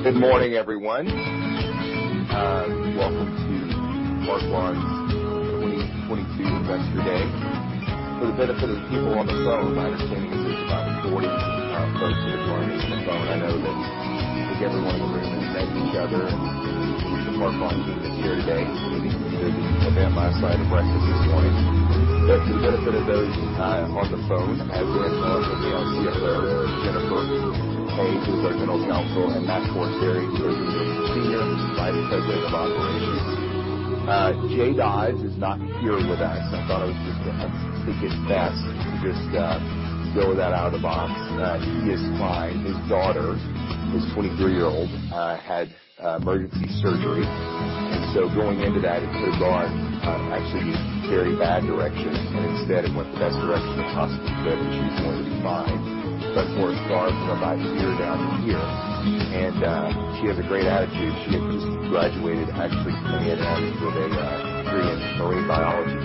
Good morning, everyone. Welcome to Park Lawn's 2022 Investor Day. For the benefit of people on the phone, my understanding is there's about 40 folks that have joined us on the phone. I know that I think everyone in the room has met each other, and the Park Lawn team is here today. We were either at the event last night or breakfast this morning. For the benefit of those on the phone, as Dan said, I'm Brad Green. Jennifer Hay is our General Counsel, and Mat Forastiere is our Senior Vice President of Operations. Jay Dodds is not here with us. I think it's best to just throw that out of the box. He is fine. His daughter, his 23-year-old, had emergency surgery. Going into that, it could have gone, actually in a very bad direction, and instead it went the best direction it possibly could, and she's going to be fine. But we're far from out of the woods here down to here. She has a great attitude. She had just graduated, actually, from A&M with a degree in marine biology.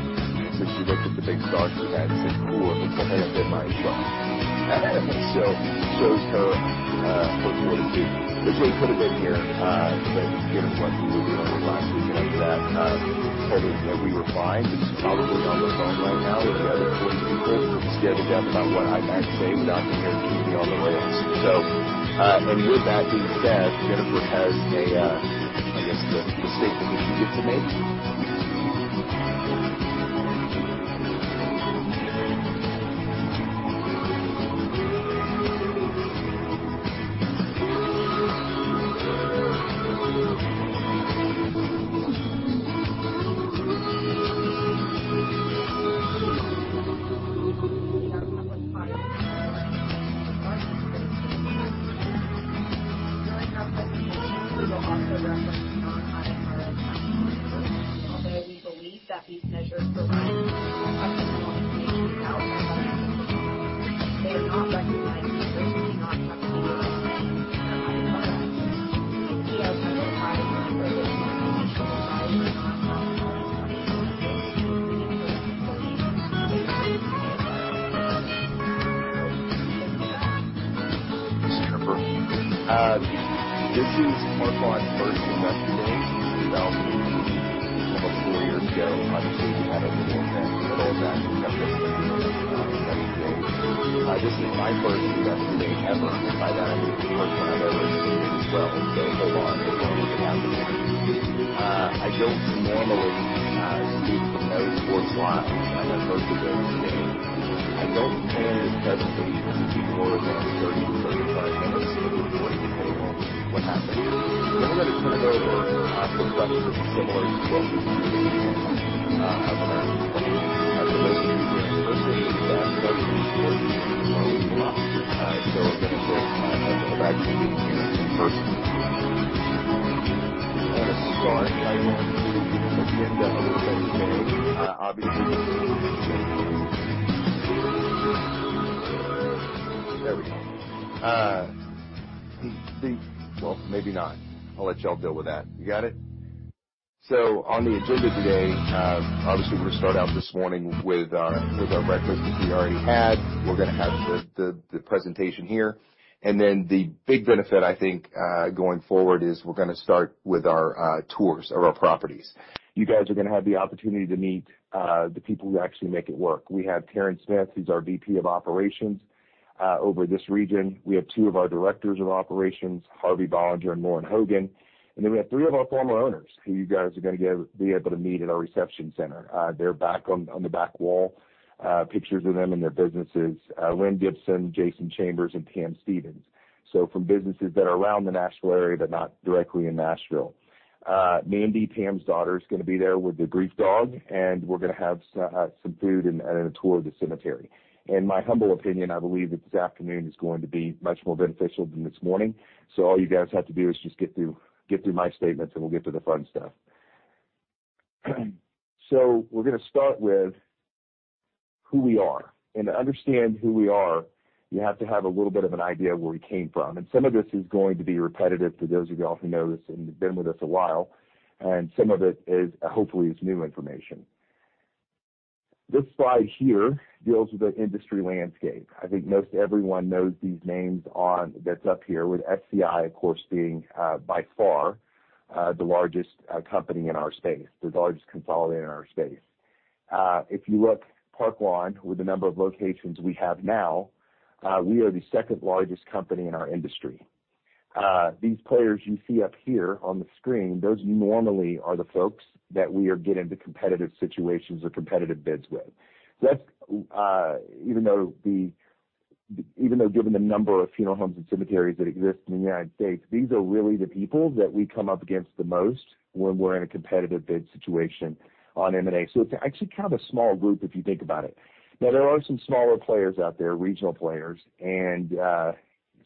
So she looked at the big scar she had and said, "Cool. I've been bitten by a shark." It shows her what to do. But Jay could have been here, but given what he was dealing with last week and into that, I think that we were fine. He's probably on the phone right now with the other 40 people scared to death about what I might say without him here to keep me on the rails. With that being said, Jennifer has a, I guess the statement that she gets to make. On the agenda today, obviously, we're going to start out this morning with our breakfast, which we already had. We're going to have the presentation here. Then the big benefit I think, going forward is we're going to start with our tours of our properties. You guys are going to have the opportunity to meet the people who actually make it work. We have Taryn Smith, who's our VP of Operations over this region. We have two of our directors of operations, Harvey Bollinger and Lauren Hogan. Then we have three of our former owners who you guys are gonna be able to meet at our reception center. They're back on the back wall, pictures of them and their businesses, Lynn Gibson, Jason Chambers, and Pam Stevens. From businesses that are around the Nashville area, but not directly in Nashville. Mandy, Pam's daughter, is gonna be there with the grief dog, and we're gonna have some food and a tour of the cemetery. In my humble opinion, I believe that this afternoon is going to be much more beneficial than this morning. All you guys have to do is just get through my statements, and we'll get to the fun stuff. We're gonna start with who we are. To understand who we are, you have to have a little bit of an idea of where we came from. Some of this is going to be repetitive to those of you all who know this and have been with us a while, and some of it is, hopefully is new information. This slide here deals with the industry landscape. I think most everyone knows these names that's up here, with SCI, of course, being by far the largest company in our space. The largest consolidator in our space. If you look, Park Lawn, with the number of locations we have now, we are the second largest company in our industry. These players you see up here on the screen, those normally are the folks that we are getting to competitive situations or competitive bids with. Even though given the number of funeral homes and cemeteries that exist in the United States, these are really the people that we come up against the most when we're in a competitive bid situation on M&A. It's actually kind of a small group if you think about it. Now, there are some smaller players out there, regional players, and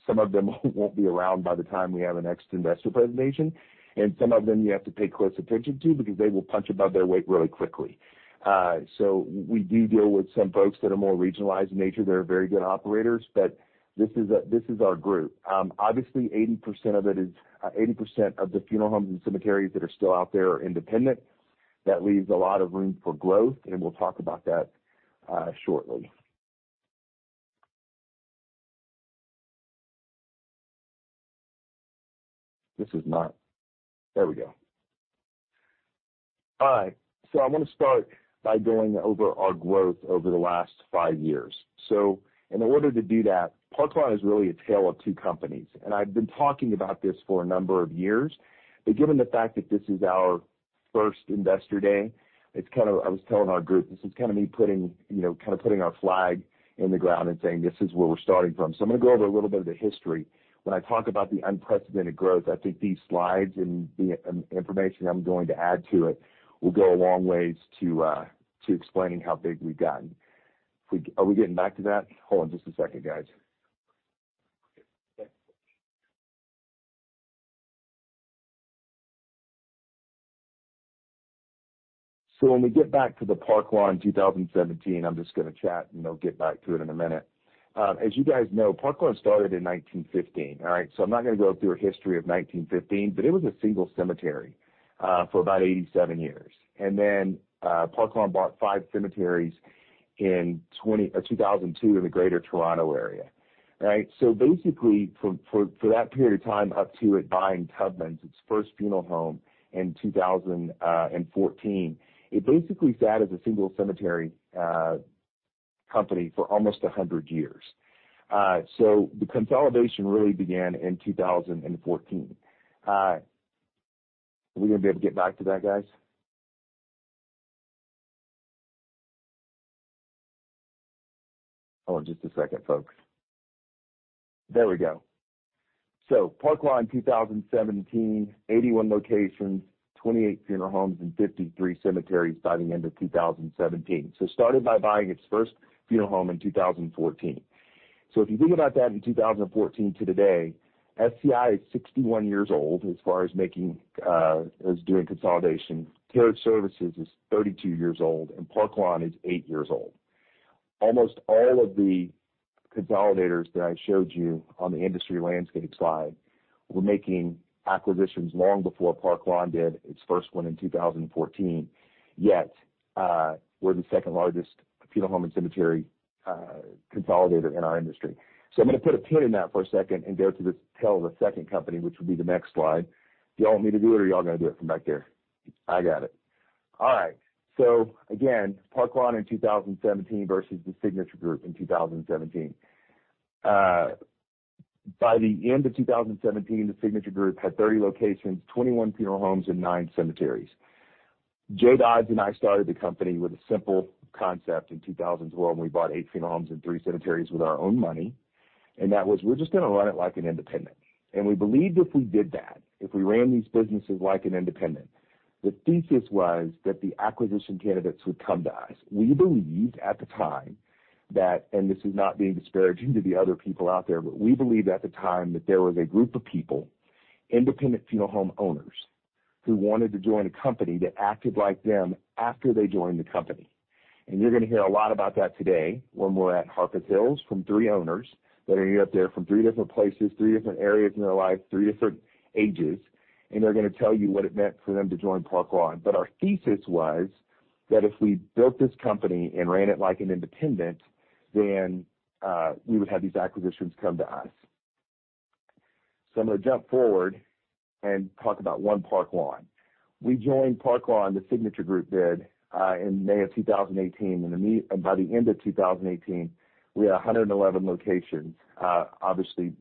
some of them won't be around by the time we have a next investor presentation. Some of them you have to pay close attention to because they will punch above their weight really quickly. We do deal with some folks that are more regionalized in nature. They're very good operators. This is our group. Obviously, 80% of the funeral homes and cemeteries that are still out there are independent. That leaves a lot of room for growth, and we'll talk about that shortly. I wanna start by going over our growth over the last 5 years. In order to do that, Park Lawn is really a tale of two companies, and I've been talking about this for a number of years. Given the fact that this is our first Investor Day, it's kinda. I was telling our group, this is kinda me putting, you know, kinda putting our flag in the ground and saying, "This is where we're starting from." I'm gonna go over a little bit of the history. When I talk about the unprecedented growth, I think these slides and the information I'm going to add to it will go a long way to explaining how big we've gotten. Are we getting back to that? Hold on just a second, guys. When we get back to the Park Lawn 2017, I'm just gonna chat and I'll get back to it in a minute. As you guys know, Park Lawn started in 1915. All right? I'm not gonna go through a history of 1915, but it was a single cemetery for about 87 years. Then, Park Lawn bought five cemeteries in 2002 in the Greater Toronto Area. Right? Basically, for that period of time, up to it buying Tubman's, its first funeral home in 2014, it basically sat as a single cemetery company for almost 100 years. The consolidation really began in 2014. Are we gonna be able to get back to that, guys? Hold on just a second, folks. There we go. Park Lawn 2017, 81 locations, 28 funeral homes and 53 cemeteries by the end of 2017. It started by buying its first funeral home in 2014. If you think about that in 2014 to today, SCI is 61 years old as far as doing consolidation. Carriage Services is 32 years old, and Park Lawn is eight years old. Almost all of the consolidators that I showed you on the industry landscape slide were making acquisitions long before Park Lawn did its first one in 2014, yet we're the second largest funeral home and cemetery consolidator in our industry. I'm gonna put a pin in that for a second and go to the tail of the second company, which will be the next slide. Do you all want me to do it or are y'all gonna do it from back there? I got it. All right. Again, Park Lawn in 2017 versus The Signature Group in 2017. By the end of 2017, The Signature Group had 30 locations, 21 funeral homes and nine cemeteries. Jay Dodds and I started the company with a simple concept in 2012, and we bought eight funeral homes and three cemeteries with our own money, and that was, we're just gonna run it like an independent. We believed if we did that, if we ran these businesses like an independent, the thesis was that the acquisition candidates would come to us. We believed at the time that, and this is not being disparaging to the other people out there, but we believed at the time that there was a group of people, independent funeral home owners, who wanted to join a company that acted like them after they joined the company. You're gonna hear a lot about that today when we're at Harpeth Hills from three owners that are gonna get up there from three different places, three different areas in their lives, three different ages, and they're gonna tell you what it meant for them to join Park Lawn. Our thesis was that if we built this company and ran it like an independent, then we would have these acquisitions come to us. I'm gonna jump forward and talk about one Park Lawn. We joined Park Lawn, The Signature Group did, in May of 2018, and by the end of 2018, we had 111 locations, obviously,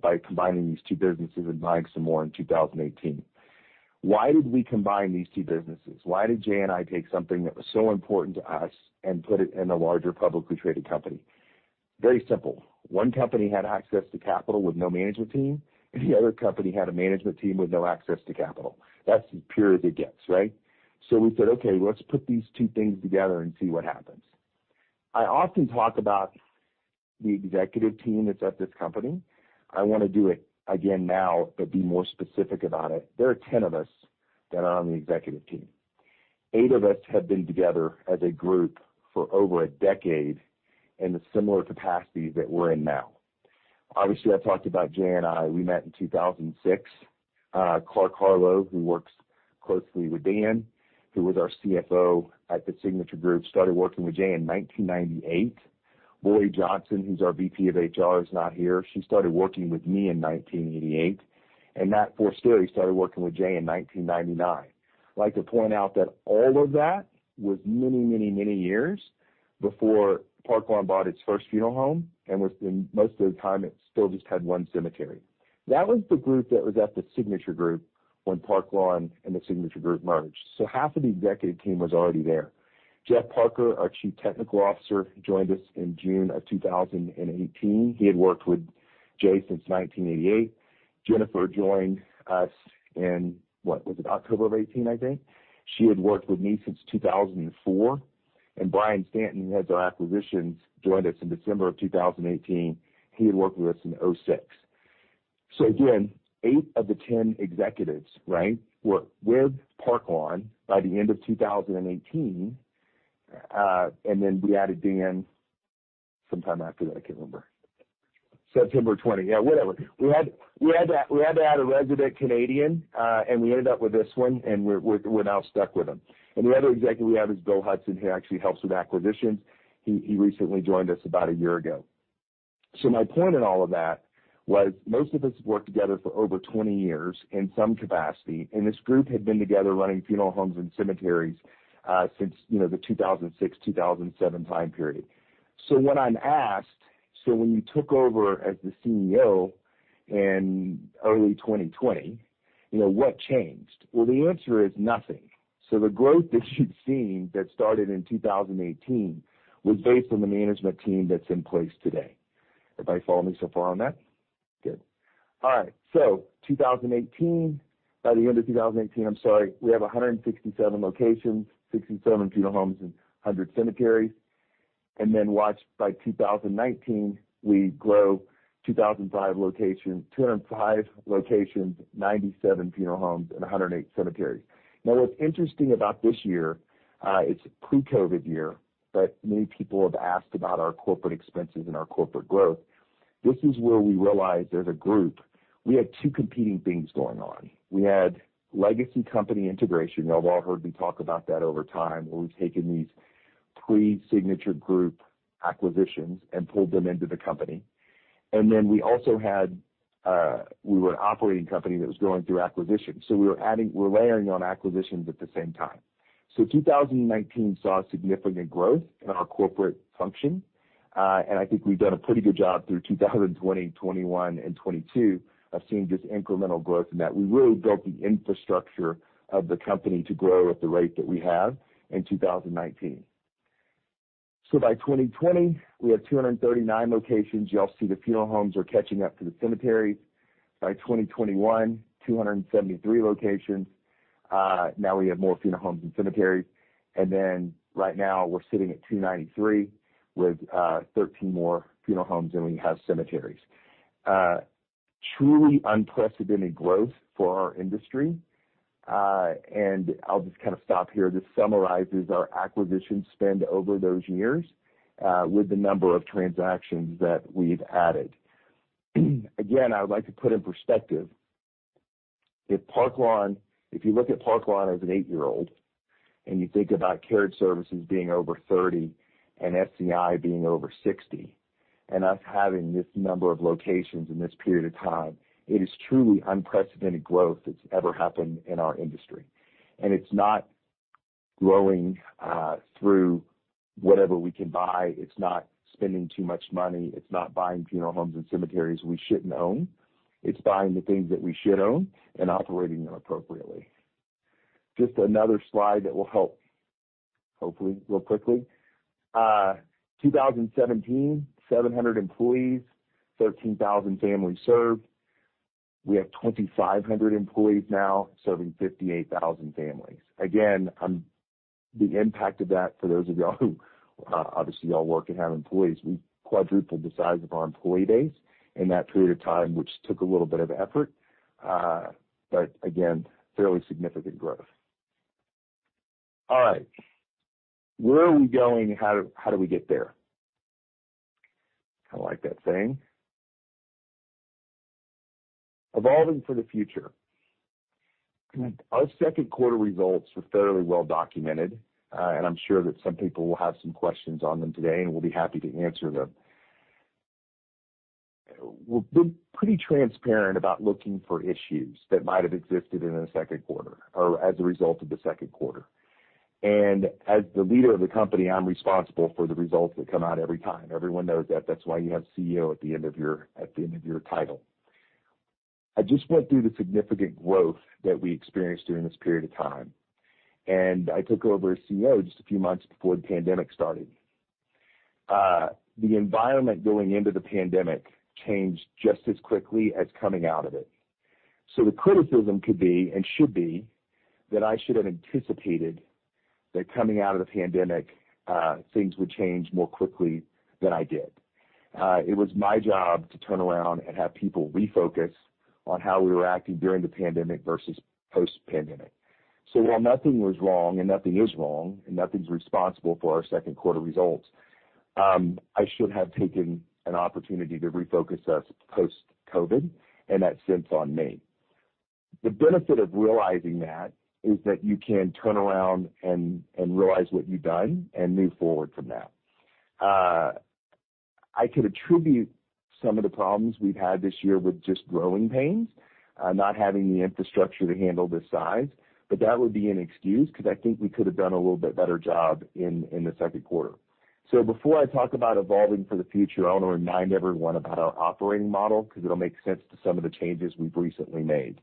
by combining these two businesses and buying some more in 2018. Why did we combine these two businesses? Why did Jay and I take something that was so important to us and put it in a larger publicly traded company? Very simple. One company had access to capital with no management team, and the other company had a management team with no access to capital. That's as pure as it gets, right? We said, "Okay, let's put these two things together and see what happens." I often talk about the executive team that's at this company. I wanna do it again now but be more specific about it. There are 10 of us that are on the executive team. eight of us have been together as a group for over a decade in the similar capacity that we're in now. Obviously, I talked about Jay and I, we met in 2006. Clarke Harlow, who works closely with Dan, who was our CFO at The Signature Group, started working with Jay in 1998. Lorie Johnson, who's our VP of HR, is not here. She started working with me in 1988. Matt Forastiere started working with Jay in 1999. I'd like to point out that all of that was many, many, many years before Park Lawn bought its first funeral home, and in most of the time, it still just had one cemetery. That was the group that was at The Signature Group when Park Lawn and The Signature Group merged. Half of the executive team was already there. Jeff Parker, our Chief Technology Officer, joined us in June of 2018. He had worked with Jay since 1988. Jennifer joined us in, what, was it October of 2018, I think. She had worked with me since 2004. Brian Stanton, who heads our acquisitions, joined us in December 2018. He had worked with us in 2006. Again, eight of the 10 executives, right, were with Park Lawn by the end of 2018. Then we added Dan sometime after that. I can't remember. September 2020. Yeah, whatever. We had to add a resident Canadian, and we ended up with this one, and we're now stuck with him. The other executive we have is Bill Hudson, who actually helps with acquisitions. He recently joined us about a year ago. My point in all of that was most of us have worked together for over 20 years in some capacity, and this group had been together running funeral homes and cemeteries, since you know, the 2006, 2007 time period. When I'm asked, "So when you took over as the CEO in early 2020, you know, what changed?" Well, the answer is nothing. The growth that you've seen that started in 2018 was based on the management team that's in place today. Everybody follow me so far on that? Good. All right. By the end of 2018, I'm sorry. We have 167 locations, 67 funeral homes and 100 cemeteries. By 2019, we grow 205 locations, 97 funeral homes, and 108 cemeteries. Now, what's interesting about this year, it's a pre-COVID year, but many people have asked about our corporate expenses and our corporate growth. This is where we realized as a group we had two competing things going on. We had legacy company integration. You've all heard me talk about that over time, where we've taken these pre-Signature Group acquisitions and pulled them into the company. We also had. We were an operating company that was going through acquisitions, so we were layering on acquisitions at the same time. 2019 saw significant growth in our corporate function, and I think we've done a pretty good job through 2020, 2021 and 2022 of seeing just incremental growth in that. We really built the infrastructure of the company to grow at the rate that we have in 2019. By 2020, we have 239 locations. You all see the funeral homes are catching up to the cemeteries. By 2021, 273 locations. Now we have more funeral homes than cemeteries. Right now we're sitting at 293 with 13 more funeral homes than we have cemeteries. Truly unprecedented growth for our industry. I'll just kind of stop here. This summarizes our acquisition spend over those years with the number of transactions that we've added. Again, I would like to put in perspective, if you look at Park Lawn as an 8-year-old, and you think about Carriage Services being over 30 and SCI being over 60, and us having this number of locations in this period of time, it is truly unprecedented growth that's ever happened in our industry. It's not growing through whatever we can buy. It's not spending too much money. It's not buying funeral homes and cemeteries we shouldn't own. It's buying the things that we should own and operating them appropriately. Just another slide that will help, hopefully, real quickly. 2017, 700 employees, 13,000 families served. We have 2,500 employees now serving 58,000 families. Again, the impact of that for those of y'all who obviously all work and have employees, we quadrupled the size of our employee base in that period of time, which took a little bit of effort, but again, fairly significant growth. All right. Where are we going? How do we get there? I like that saying. Evolving for the future. Our second quarter results were fairly well documented, and I'm sure that some people will have some questions on them today, and we'll be happy to answer them. We've been pretty transparent about looking for issues that might have existed in the second quarter or as a result of the second quarter. As the leader of the company, I'm responsible for the results that come out every time. Everyone knows that. That's why you have CEO at the end of your title. I just went through the significant growth that we experienced during this period of time, and I took over as CEO just a few months before the pandemic started. The environment going into the pandemic changed just as quickly as coming out of it. The criticism could be and should be that I should have anticipated that coming out of the pandemic, things would change more quickly than I did. It was my job to turn around and have people refocus on how we were acting during the pandemic versus post-pandemic. While nothing was wrong and nothing is wrong, and nothing's responsible for our second quarter results, I should have taken an opportunity to refocus us post-COVID, and that sits on me. The benefit of realizing that is that you can turn around and realize what you've done and move forward from that. I could attribute some of the problems we've had this year with just growing pains, not having the infrastructure to handle this size. That would be an excuse because I think we could have done a little bit better job in the second quarter. Before I talk about evolving for the future, I want to remind everyone about our operating model because it'll make sense to some of the changes we've recently made.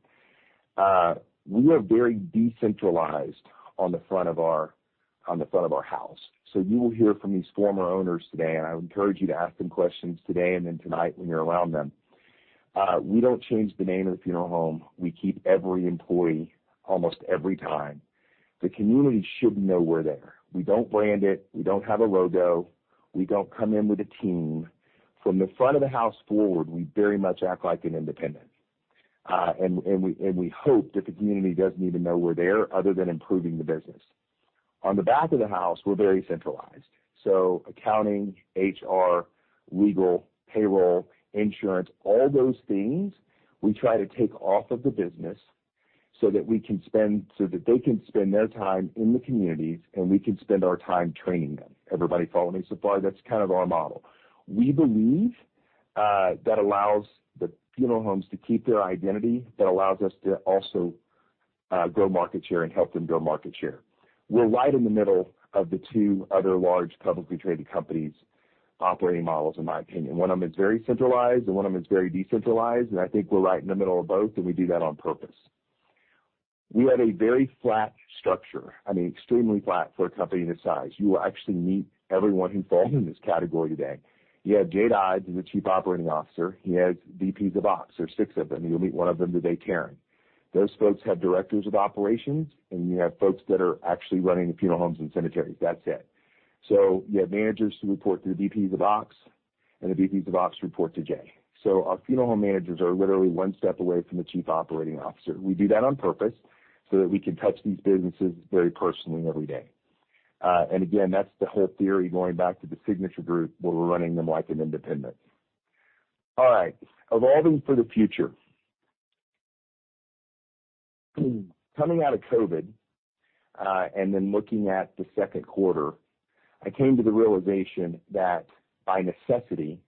We are very decentralized on the front of our house. You will hear from these former owners today, and I would encourage you to ask them questions today and then tonight when you're around them. We don't change the name of the funeral home. We keep every employee almost every time. The community should know we're there. We don't brand it. We don't have a logo. We don't come in with a team. From the front of the house forward, we very much act like an independent. We hope that the community doesn't even know we're there other than improving the business. On the back of the house, we're very centralized, so accounting, HR, legal, payroll, insurance, all those things we try to take off of the business so that they can spend their time in the communities, and we can spend our time training them. Everybody follow me so far? That's kind of our model. We believe that allows the funeral homes to keep their identity, that allows us to also grow market share and help them grow market share. We're right in the middle of the two other large publicly traded companies' operating models, in my opinion. One of them is very centralized, and one of them is very decentralized, and I think we're right in the middle of both, and we do that on purpose. We have a very flat structure, I mean, extremely flat for a company this size. You will actually meet everyone who falls in this category today. You have Jay Ives, who's the Chief Operating Officer. He has VPs of Ops. There's six of them. You'll meet one of them today, Karen. Those folks have directors of operations, and you have folks that are actually running the funeral homes and cemeteries. That's it. You have managers who report through the VPs of Ops, and the VPs of Ops report to Jay. Our funeral home managers are literally one step away from the chief operating officer. We do that on purpose so that we can touch these businesses very personally every day. Again, that's the whole theory, going back to The Signature Group, where we're running them like an independent. All right, evolving for the future. Coming out of COVID, and then looking at the second quarter, I came to the realization that by necessity,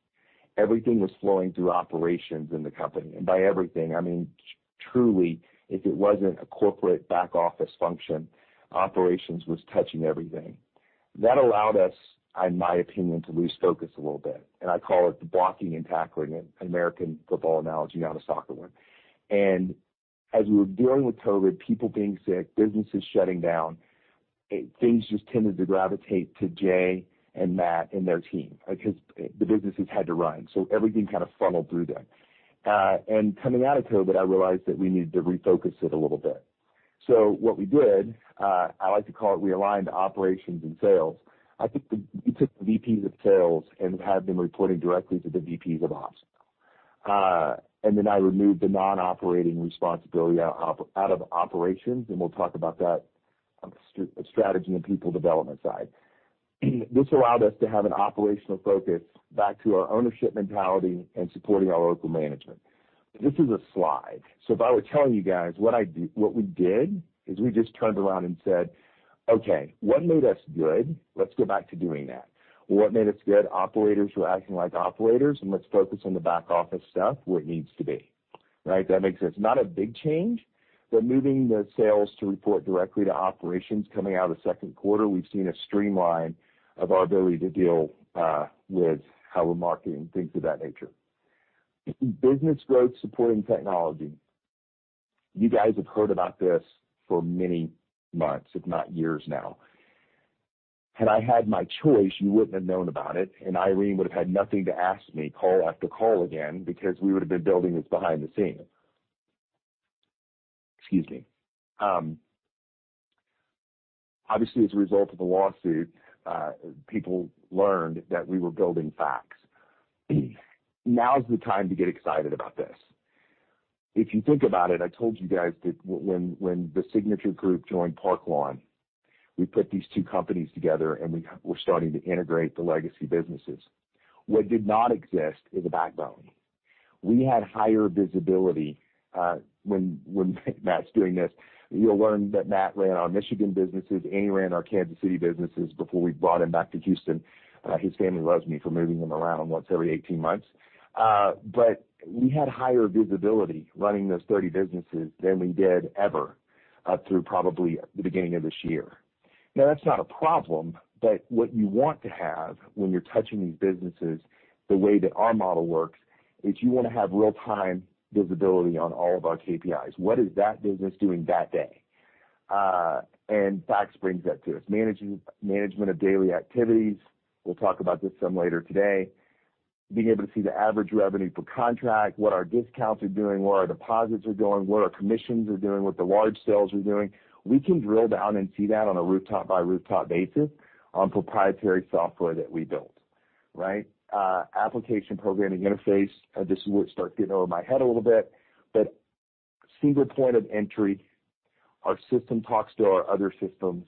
everything was flowing through operations in the company. By everything, I mean, truly, if it wasn't a corporate back office function, operations was touching everything. That allowed us, in my opinion, to lose focus a little bit, and I call it the blocking and tackling, an American football analogy, not a soccer one. As we were dealing with COVID, people being sick, businesses shutting down, things just tended to gravitate to Jay and Matt and their team because the businesses had to run, so everything kind of funneled through them. Coming out of COVID, I realized that we needed to refocus it a little bit. What we did, I like to call it realigned operations and sales. We took the VPs of sales and had them reporting directly to the VPs of ops. I removed the non-operating responsibility out of operations, and we'll talk about that on the strategy and people development side. This allowed us to have an operational focus back to our ownership mentality and supporting our local management. This is a slide. If I were telling you guys, what we did, is we just turned around and said, "Okay, what made us good? Let's go back to doing that." What made us good? Operators who are acting like operators, and let's focus on the back office stuff, where it needs to be, right? That make sense? Not a big change, but moving the sales to report directly to operations coming out of the second quarter, we've seen a streamline of our ability to deal, with how we're marketing, things of that nature. Business growth, supporting technology. You guys have heard about this for many months, if not years now. Had I had my choice, you wouldn't have known about it, and Irene would have had nothing to ask me call after call again, because we would have been building this behind the scenes. Excuse me. Obviously, as a result of the lawsuit, people learned that we were building FaCTS. Now is the time to get excited about this. If you think about it, I told you guys that when the Signature Group joined Park Lawn, we put these two companies together, and we're starting to integrate the legacy businesses. What did not exist is a backbone. We had higher visibility when Matt's doing this. You'll learn that Matt ran our Michigan businesses, and he ran our Kansas City businesses before we brought him back to Houston. His family loves me for moving him around once every 18 months. We had higher visibility running those 30 businesses than we did ever through probably the beginning of this year. Now, that's not a problem, but what you want to have when you're touching these businesses the way that our model works, is you wanna have real-time visibility on all of our KPIs. What is that business doing that day? FaCTS brings that to us. Management of daily activities, we'll talk about this some later today. Being able to see the average revenue per contract, what our discounts are doing, where our deposits are going, what our commissions are doing, what the large sales are doing. We can drill down and see that on a rooftop-by-rooftop basis on proprietary software that we built, right? Application programming interface. This is where it starts getting over my head a little bit. Single point of entry. Our system talks to our other systems.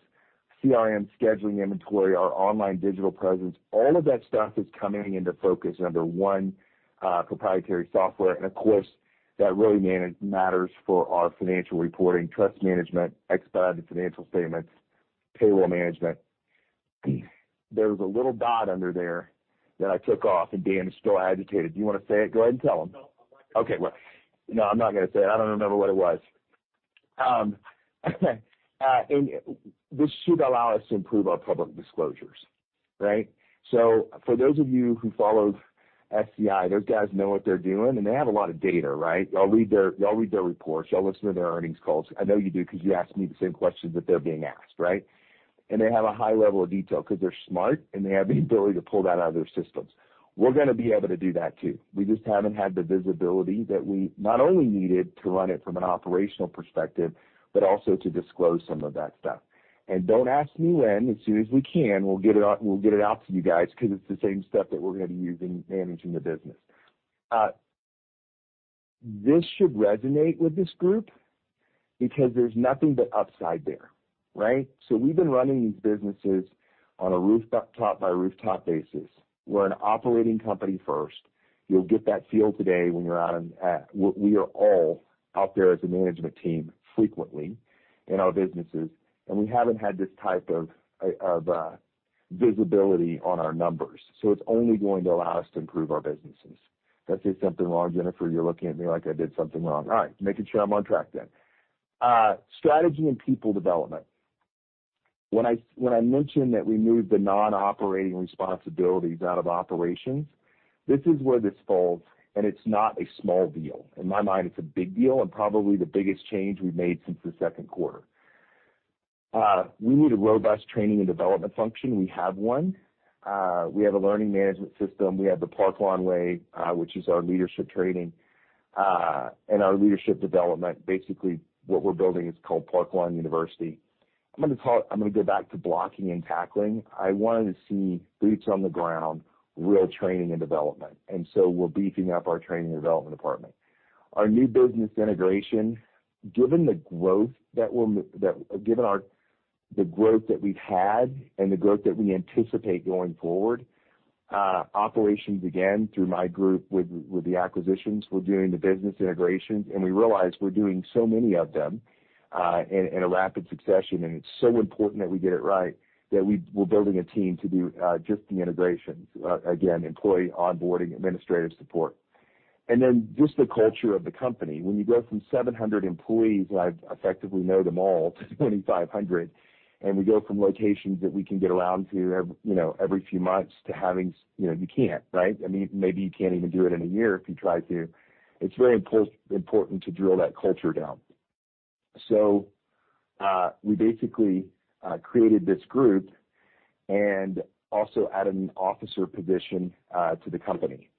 CRM, scheduling, inventory, our online digital presence, all of that stuff is coming into focus under one proprietary software. Of course, that really matters for our financial reporting, trust management, expedited financial statements, payroll management. There's a little dot under there that I took off, and Dan is still agitated. Do you wanna say it? Go ahead and tell them. No, I'm not gonna say it. Okay, well. No, I'm not gonna say it. I don't remember what it was. This should allow us to improve our public disclosures, right? For those of you who follow SCI, those guys know what they're doing, and they have a lot of data, right? Y'all read their reports, y'all listen to their earnings calls. I know you do because you ask me the same questions that they're being asked, right? They have a high level of detail because they're smart, and they have the ability to pull that out of their systems. We're gonna be able to do that too. We just haven't had the visibility that we not only needed to run it from an operational perspective, but also to disclose some of that stuff. Don't ask me when. As soon as we can, we'll get it out to you guys because it's the same stuff that we're gonna use in managing the business. This should resonate with this group because there's nothing but upside there, right? We've been running these businesses on a rooftop by rooftop basis. We're an operating company first. You'll get that feel today when you're out. We are all out there as a management team frequently in our businesses, and we haven't had this type of visibility on our numbers. It's only going to allow us to improve our businesses. Did I say something wrong? Jennifer, you're looking at me like I did something wrong. All right, making sure I'm on track then. Strategy and people development. When I mentioned that we moved the non-operating responsibilities out of operations, this is where this falls, and it's not a small deal. In my mind, it's a big deal and probably the biggest change we've made since the second quarter. We need a robust training and development function. We have one. We have a learning management system. We have the Park Lawn Way, which is our leadership training, and our leadership development. Basically, what we're building is called Park Lawn University. I'm gonna go back to blocking and tackling. I wanted to see boots on the ground, real training and development. We're beefing up our training and development department. Our new business integration, given the growth that we've had and the growth that we anticipate going forward, operations, again, through my group with the acquisitions, we're doing the business integrations, and we realize we're doing so many of them in a rapid succession, and it's so important that we get it right that we're building a team to do just the integrations. Again, employee onboarding, administrative support. Then just the culture of the company. When you go from 700 employees, I effectively know them all, to 2,500, and we go from locations that we can get around to, you know, every few months to having, you know, you can't, right? I mean, maybe you can't even do it in a year if you try to. It's very important to drill that culture down. We basically created this group and also added an officer position to the company.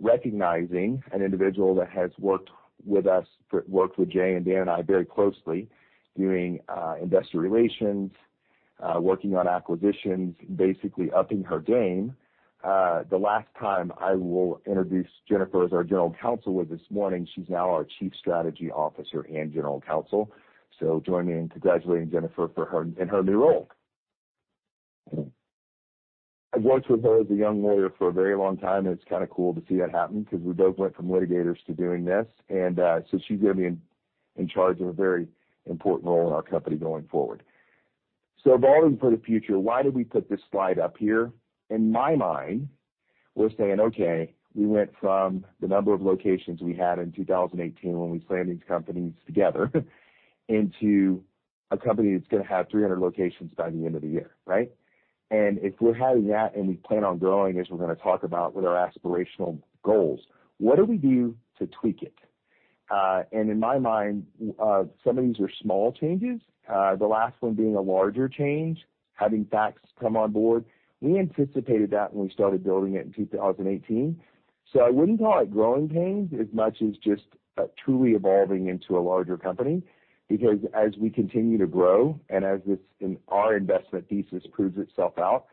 Recognizing an individual that has worked with us worked with Jay and Dan and I very closely doing investor relations, working on acquisitions, basically upping her game. The last time I will introduce Jennifer as our general counsel was this morning. She's now our chief strategy officer and general counsel. Join me in congratulating Jennifer for her in her new role. I've worked with her as a young lawyer for a very long time, and it's kinda cool to see that happen because we both went from litigators to doing this. She's gonna be in charge of a very important role in our company going forward. Evolving for the future, why did we put this slide up here? In my mind, we're saying, okay, we went from the number of locations we had in 2018 when we planned these companies together into a company that's gonna have 300 locations by the end of the year, right? If we're having that and we plan on growing as we're gonna talk about with our aspirational goals, what do we do to tweak it? In my mind, some of these are small changes, the last one being a larger change, having FaCTS come on board. We anticipated that when we started building it in 2018. I wouldn't call it growing pains as much as just, truly evolving into a larger company. Because as we continue to grow and as this and our investment thesis proves itself out,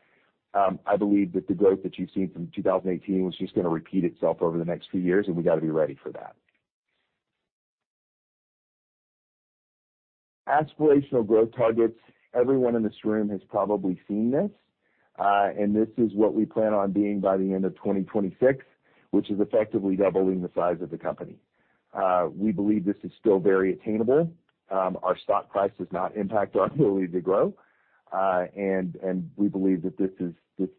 I believe that the growth that you've seen from 2018 was just gonna repeat itself over the next few years, and we gotta be ready for that. Aspirational growth targets. Everyone in this room has probably seen this, and this is what we plan on being by the end of 2026, which is effectively doubling the size of the company. We believe this is still very attainable. Our stock price does not impact our ability to grow. And we believe that this is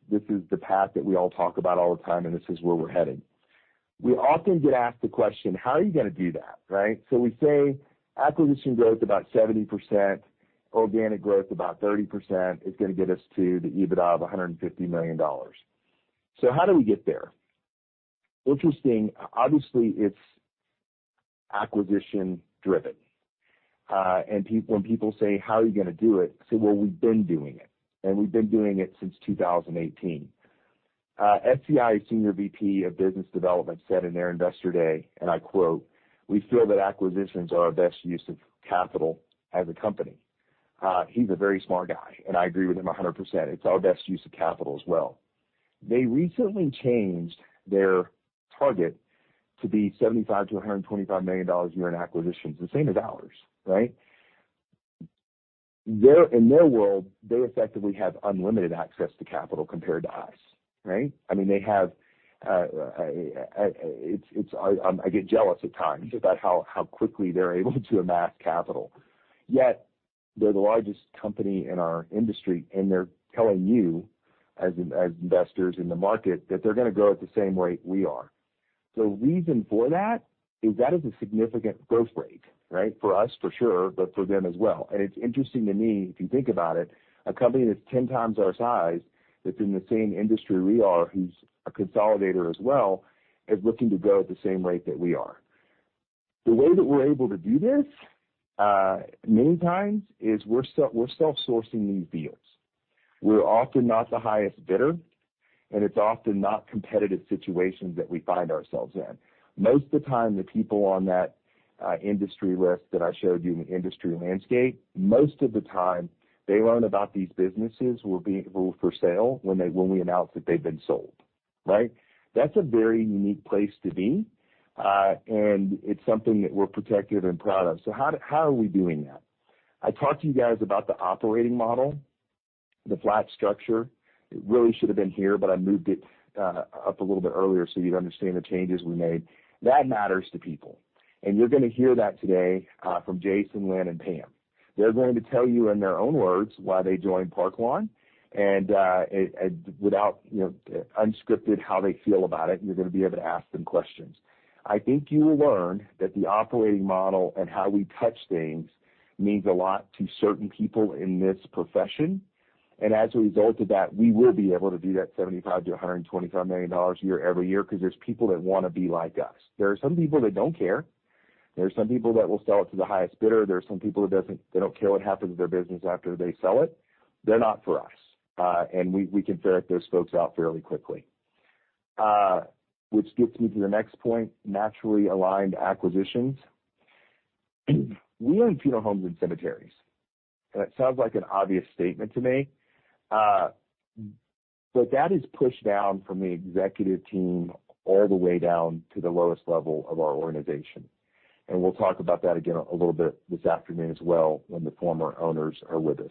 the path that we all talk about all the time, and this is where we're heading. We often get asked the question, "How are you gonna do that?" Right? We say acquisition growth about 70%, organic growth about 30% is gonna get us to the EBITDA of 150 million dollars. How do we get there? Interesting. Obviously, it's acquisition driven. When people say, "How are you gonna do it?" I say, "Well, we've been doing it, and we've been doing it since 2018." SCI Senior VP of Business Development said in their investor day, and I quote, "We feel that acquisitions are our best use of capital as a company." He's a very smart guy, and I agree with him 100%. It's our best use of capital as well. They recently changed their target to be $75 million-$125 million a year in acquisitions. The same as ours, right? In their world, they effectively have unlimited access to capital compared to us, right? I mean, I get jealous at times about how quickly they're able to amass capital. Yet, they're the largest company in our industry, and they're telling you as investors in the market that they're gonna grow at the same rate we are. The reason for that is that is a significant growth rate, right? For us for sure, but for them as well. It's interesting to me, if you think about it, a company that's 10 times our size, that's in the same industry we are, who's a consolidator as well, is looking to grow at the same rate that we are. The way that we're able to do this many times is we're self-sourcing these deals. We're often not the highest bidder, and it's often not competitive situations that we find ourselves in. Most of the time, the people on that industry list that I showed you in the industry landscape. Most of the time they learn about these businesses for sale when we announce that they've been sold, right? That's a very unique place to be, and it's something that we're protective and proud of. How are we doing that? I talked to you guys about the operating model, the flat structure. It really should have been here, but I moved it up a little bit earlier, so you'd understand the changes we made. That matters to people. You're gonna hear that today from Jason, Lynn, and Pam. They're going to tell you in their own words why they joined Park Lawn and, without, you know, unscripted how they feel about it, and you're gonna be able to ask them questions. I think you will learn that the operating model and how we touch things means a lot to certain people in this profession. As a result of that, we will be able to do that $75 million-$125 million a year every year because there's people that wanna be like us. There are some people that don't care. There are some people that will sell it to the highest bidder. There are some people that they don't care what happens to their business after they sell it. They're not for us, and we can vet those folks out fairly quickly. which gets me to the next point, naturally aligned acquisitions. We own funeral homes and cemeteries. That sounds like an obvious statement to me, but that is pushed down from the executive team all the way down to the lowest level of our organization, and we'll talk about that again a little bit this afternoon as well when the former owners are with us.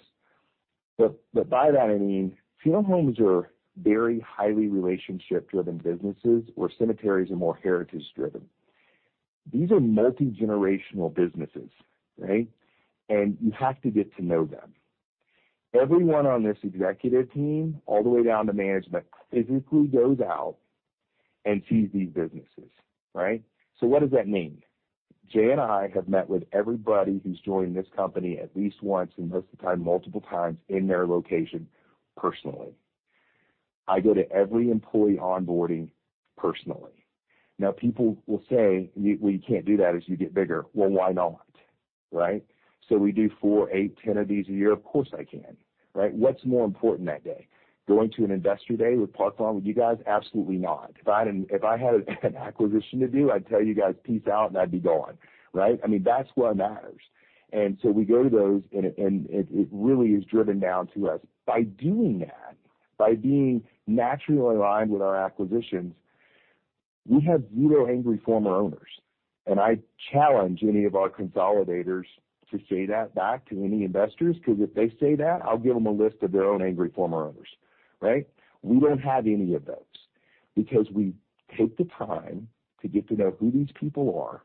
By that I mean, funeral homes are very highly relationship-driven businesses, where cemeteries are more heritage-driven. These are multigenerational businesses, right? You have to get to know them. Everyone on this executive team, all the way down to management, physically goes out and sees these businesses, right? What does that mean? Jay and I have met with everybody who's joined this company at least once, and most of the time, multiple times in their location personally. I go to every employee onboarding personally. Now, people will say, "You, well, you can't do that as you get bigger." Well, why not, right? So we do 4, 8, 10 of these a year. Of course, I can, right? What's more important that day? Going to an investor day with Park Lawn, with you guys? Absolutely not. If I had an acquisition to do, I'd tell you guys, peace out, and I'd be gone, right? I mean, that's what matters. And so we go to those, and it really is driven down to us. By doing that, by being naturally aligned with our acquisitions, we have zero angry former owners. I challenge any of our consolidators to say that back to any investors, because if they say that, I'll give them a list of their own angry former owners, right? We don't have any of those because we take the time to get to know who these people are.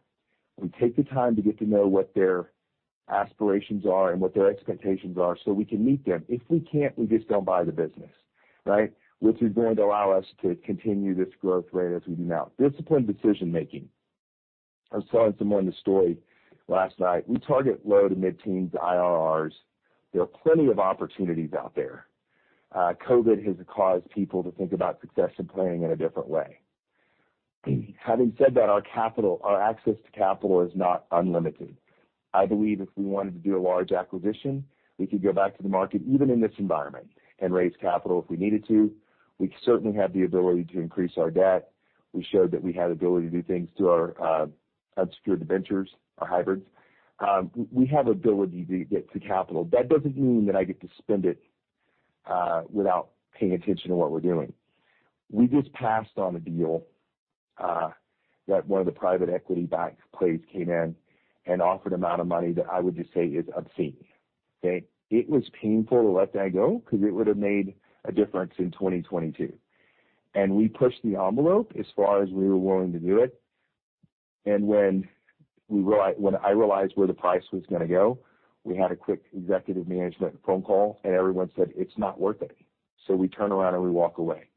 We take the time to get to know what their aspirations are and what their expectations are so we can meet them. If we can't, we just don't buy the business, right? Which is going to allow us to continue this growth rate as we move out. Disciplined decision-making. I was telling someone the story last night. We target low to mid-teens IRRs. There are plenty of opportunities out there. COVID has caused people to think about succession planning in a different way. Having said that, our capital, our access to capital is not unlimited. I believe if we wanted to do a large acquisition, we could go back to the market even in this environment and raise capital if we needed to. We certainly have the ability to increase our debt. We showed that we had ability to do things through our unsecured ventures or hybrids. We have ability to get to capital. That doesn't mean that I get to spend it without paying attention to what we're doing. We just passed on a deal that one of the private equity backed players came in and offered amount of money that I would just say is obscene. Okay? It was painful to let that go because it would have made a difference in 2022. We pushed the envelope as far as we were willing to do it. When I realized where the price was gonna go, we had a quick executive management phone call, and everyone said, "It's not worth it." We turn around, and we walk away.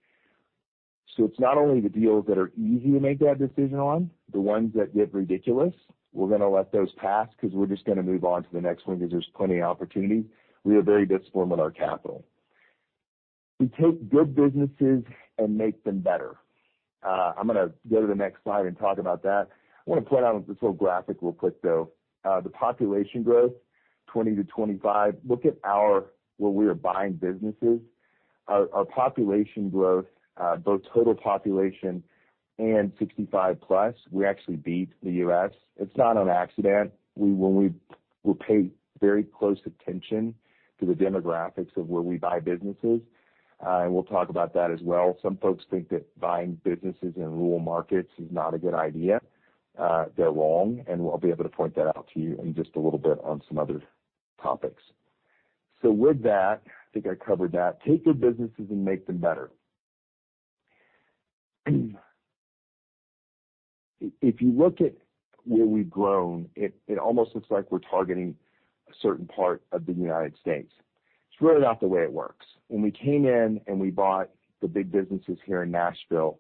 It's not only the deals that are easy to make that decision on, the ones that get ridiculous, we're gonna let those pass because we're just gonna move on to the next one because there's plenty of opportunity. We are very disciplined with our capital. We take good businesses and make them better. I'm gonna go to the next slide and talk about that. I want to point out this little graphic real quick, though. The population growth, 2020-2025. Look at where we are buying businesses. Our population growth, both total population and 65+, we actually beat the U.S. It's no accident. We pay very close attention to the demographics of where we buy businesses, and we'll talk about that as well. Some folks think that buying businesses in rural markets is not a good idea. They're wrong, and we'll be able to point that out to you in just a little bit on some other topics. With that, I think I covered that. Take good businesses and make them better. If you look at where we've grown, it almost looks like we're targeting a certain part of the United States. It's really not the way it works. When we came in and we bought the big businesses here in Nashville,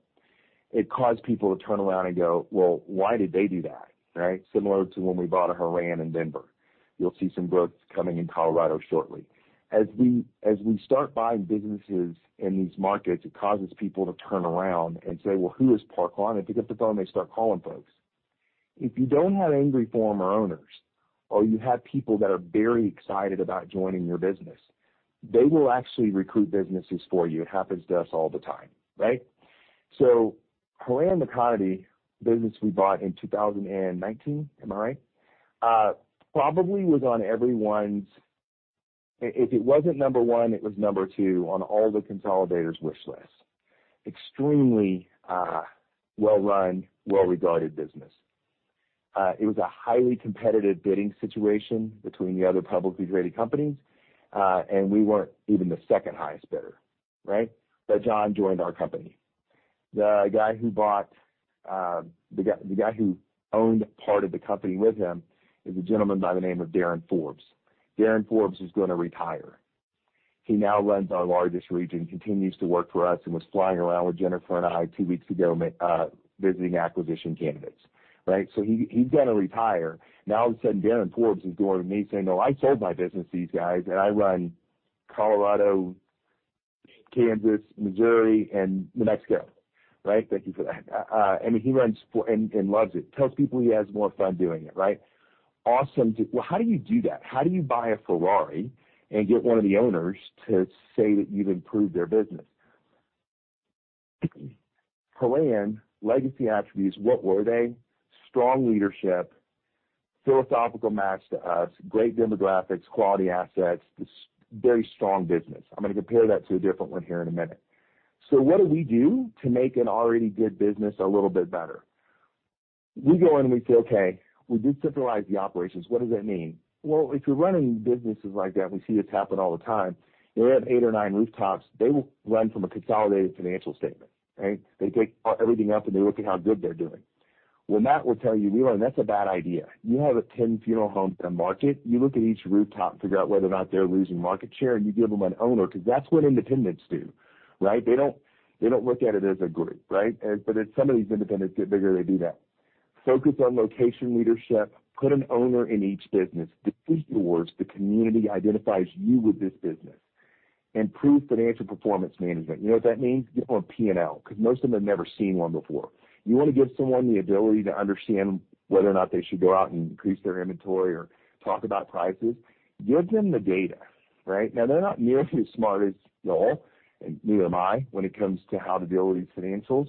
it caused people to turn around and go, "Well, why did they do that?" Right? Similar to when we bought Horan in Denver. You'll see some growth coming in Colorado shortly. As we start buying businesses in these markets, it causes people to turn around and say, "Well, who is Park Lawn?" They pick up the phone, they start calling folks. If you don't have angry former owners or you have people that are very excited about joining your business, they will actually recruit businesses for you. It happens to us all the time, right? Horan & McConaty business we bought in 2019, am I right? Probably was on everyone's. If it wasn't number one, it was number two on all the consolidators' wish list. Extremely well-run, well-regarded business. It was a highly competitive bidding situation between the other publicly traded companies, and we weren't even the second highest bidder, right? John joined our company. The guy who owned part of the company with him is a gentleman by the name of Darren Forbes. Darren Forbes is gonna retire. He now runs our largest region, continues to work for us, and was flying around with Jennifer and I two weeks ago, visiting acquisition candidates, right? He, he's gonna retire. Now all of a sudden, Darren Forbes is going to me saying, "Oh, I told my business to these guys, and I run Colorado, Kansas, Missouri, and New Mexico." Right? Thank you for that. I mean, he runs and loves it. Tells people he has more fun doing it, right? Awesome to. Well, how do you do that? How do you buy a Ferrari and get one of the owners to say that you've improved their business? Horan legacy attributes, what were they? Strong leadership, philosophical match to us, great demographics, quality assets, this very strong business. I'm gonna compare that to a different one here in a minute. What do we do to make an already good business a little bit better? We go in and we say, okay, we did centralize the operations. What does that mean? Well, if you're running businesses like that, we see this happen all the time, they have eight or nine rooftops. They will run from a consolidated financial statement, right? They take everything up, and they look at how good they're doing. Well, Matt will tell you, "Neil, that's a bad idea." You have a 10 funeral home market, you look at each rooftop and figure out whether or not they're losing market share, and you give them an owner because that's what independents do, right? They don't look at it as a group, right? But as some of these independents get bigger, they do that. Focus on location leadership, put an owner in each business. The feat awards, the community identifies you with this business. Improve financial performance management. You know what that means? Get more P&L, because most of them have never seen one before. You wanna give someone the ability to understand whether or not they should go out and increase their inventory or talk about prices, give them the data, right? Now, they're not nearly as smart as y'all, and neither am I, when it comes to how to deal with these financials,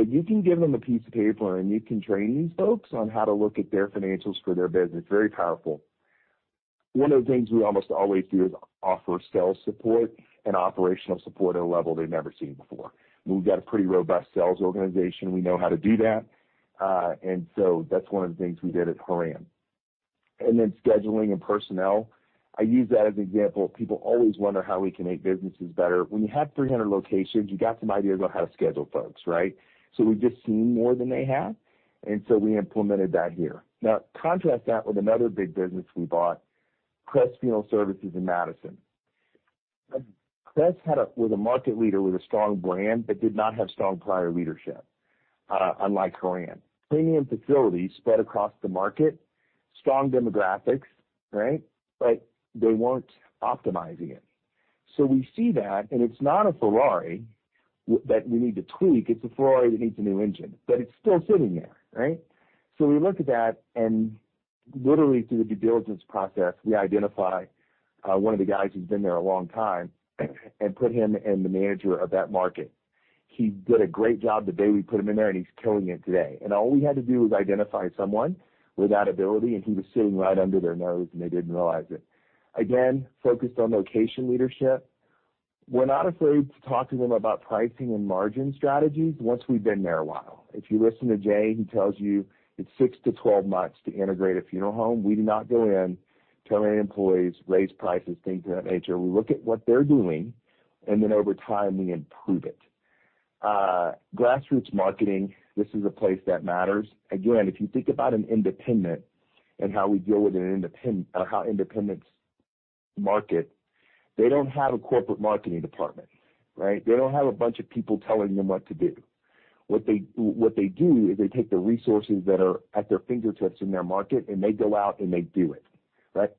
but you can give them a piece of paper, and you can train these folks on how to look at their financials for their business. Very powerful. One of the things we almost always do is offer sales support and operational support at a level they've never seen before. We've got a pretty robust sales organization. We know how to do that, and so that's one of the things we did at Horan. Scheduling and personnel, I use that as an example. People always wonder how we can make businesses better. When you have 300 locations, you got some ideas on how to schedule folks, right? We've just seen more than they have, and so we implemnnted that here. Now, contrast that with another big business we bought, Cress Funeral Services in Madison. Cress was a market leader with a strong brand, but did not have strong prior leadership, unlike Horan. Premium facilities spread across the market, strong demographics, right? They weren't optimizing it. We see that, and it's not a Ferrari that we need to tweak. It's a Ferrari that needs a new engine, but it's still sitting there, right? We look at that, and literally through the due diligence process, we identify one of the guys who's been there a long time and put him in the manager of that market. He did a great job the day we put him in there, and he's killing it today. All we had to do was identify someone with that ability, and he was sitting right under their nose, and they didn't realize it. Again, focused on location leadership. We're not afraid to talk to them about pricing and margin strategies once we've been there a while. If you listen to Jay, he tells you it's 6-12 months to integrate a funeral home. We do not go in telling employees, raise prices, things of that nature. We look at what they're doing, and then over time, we improve it. Grassroots marketing, this is a place that matters. Again, if you think about an independent and how we deal with independents or how independents market, they don't have a corporate marketing department, right? They don't have a bunch of people telling them what to do. What they do is they take the resources that are at their fingertips in their market, and they go out and they do it. Right?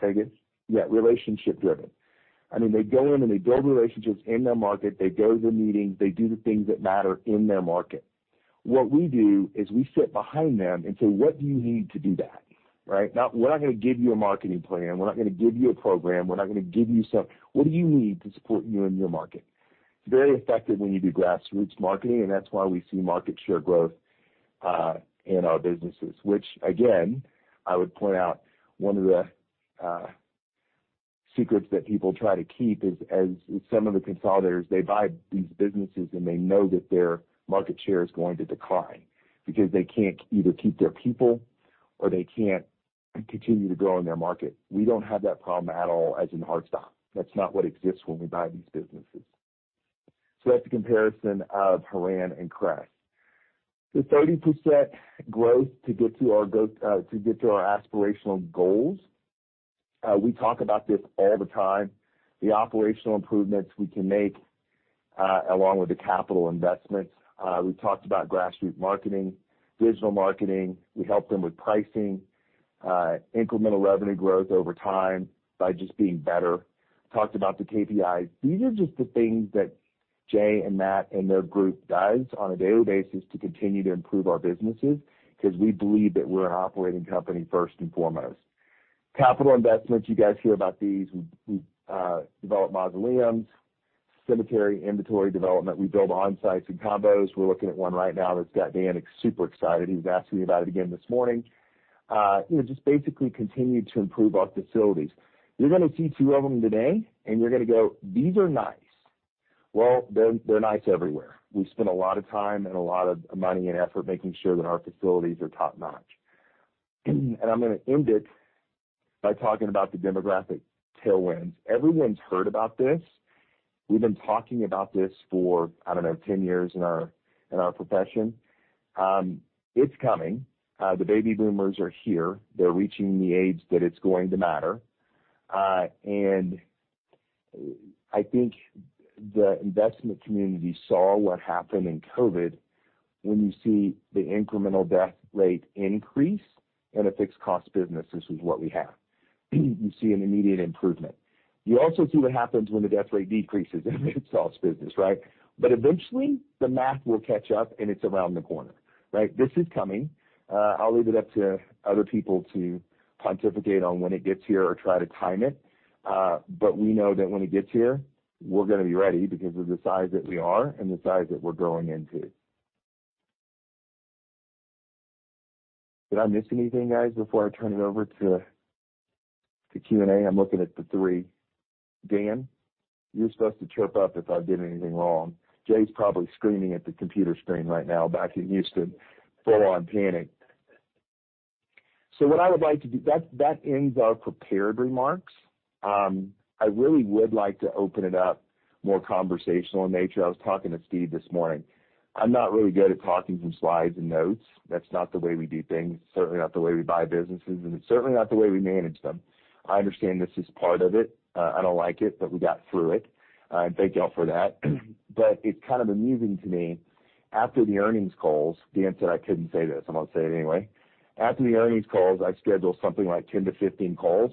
Say again? Yeah, relationship driven. I mean, they go in and they build relationships in their market. They go to the meetings. They do the things that matter in their market. What we do is we sit behind them and say, "What do you need to do that?" Right? Now, we're not gonna give you a marketing plan. We're not gonna give you a program. We're not gonna give you stuff. What do you need to support you in your market? It's very effective when you do grassroots marketing, and that's why we see market share growth in our businesses, which again, I would point out one of the secrets that people try to keep is as some of the consolidators, they buy these businesses, and they know that their market share is going to decline because they can't either keep their people or they can't continue to grow in their market. We don't have that problem at all as in Park Lawn stock. That's not what exists when we buy these businesses. That's a comparison of Horan and Cress. The 30% growth to get to our aspirational goals, we talk about this all the time. The operational improvements we can make along with the capital investments. We talked about grassroots marketing, digital marketing. We help them with pricing, incremental revenue growth over time by just being better. Talked about the KPIs. These are just the things that Jay and Matt and their group does on a daily basis to continue to improve our businesses because we believe that we're an operating company first and foremost. Capital investments, you guys hear about these. We develop mausoleums, cemetery inventory development. We build on-sites and combos. We're looking at one right now that's got Dan super excited. He was asking me about it again this morning. You know, just basically continue to improve our facilities. You're gonna see two of them today, and you're gonna go, "These are nice." Well, they're nice everywhere. We spend a lot of time and a lot of money and effort making sure that our facilities are top-notch. I'm gonna end it by talking about the demographic tailwinds. Everyone's heard about this. We've been talking about this for, I don't know, ten years in our profession. It's coming. The Baby Boomers are here. They're reaching the age that it's going to matter. I think the investment community saw what happened in COVID when you see the incremental death rate increase in a fixed cost business, this is what we have. You see an immediate improvement. You also see what happens when the death rate decreases in a fixed cost business, right? Eventually, the math will catch up, and it's around the corner, right? This is coming. I'll leave it up to other people to pontificate on when it gets here or try to time it. We know that when it gets here, we're gonna be ready because of the size that we are and the size that we're growing into. Did I miss anything, guys, before I turn it over to Q&A? I'm looking at the three. Dan, you're supposed to chirp up if I did anything wrong. Jay's probably screaming at the computer screen right now back in Houston, full-on panic. That ends our prepared remarks. I really would like to open it up more conversational in nature. I was talking to Steve this morning. I'm not really good at talking from slides and notes. That's not the way we do things, certainly not the way we buy businesses, and it's certainly not the way we manage them. I understand this is part of it. I don't like it, but we got through it. Thank y'all for that. It's kind of amusing to me. After the earnings calls, Dan said I couldn't say this, I'm gonna say it anyway. After the earnings calls, I schedule something like 10-15 calls.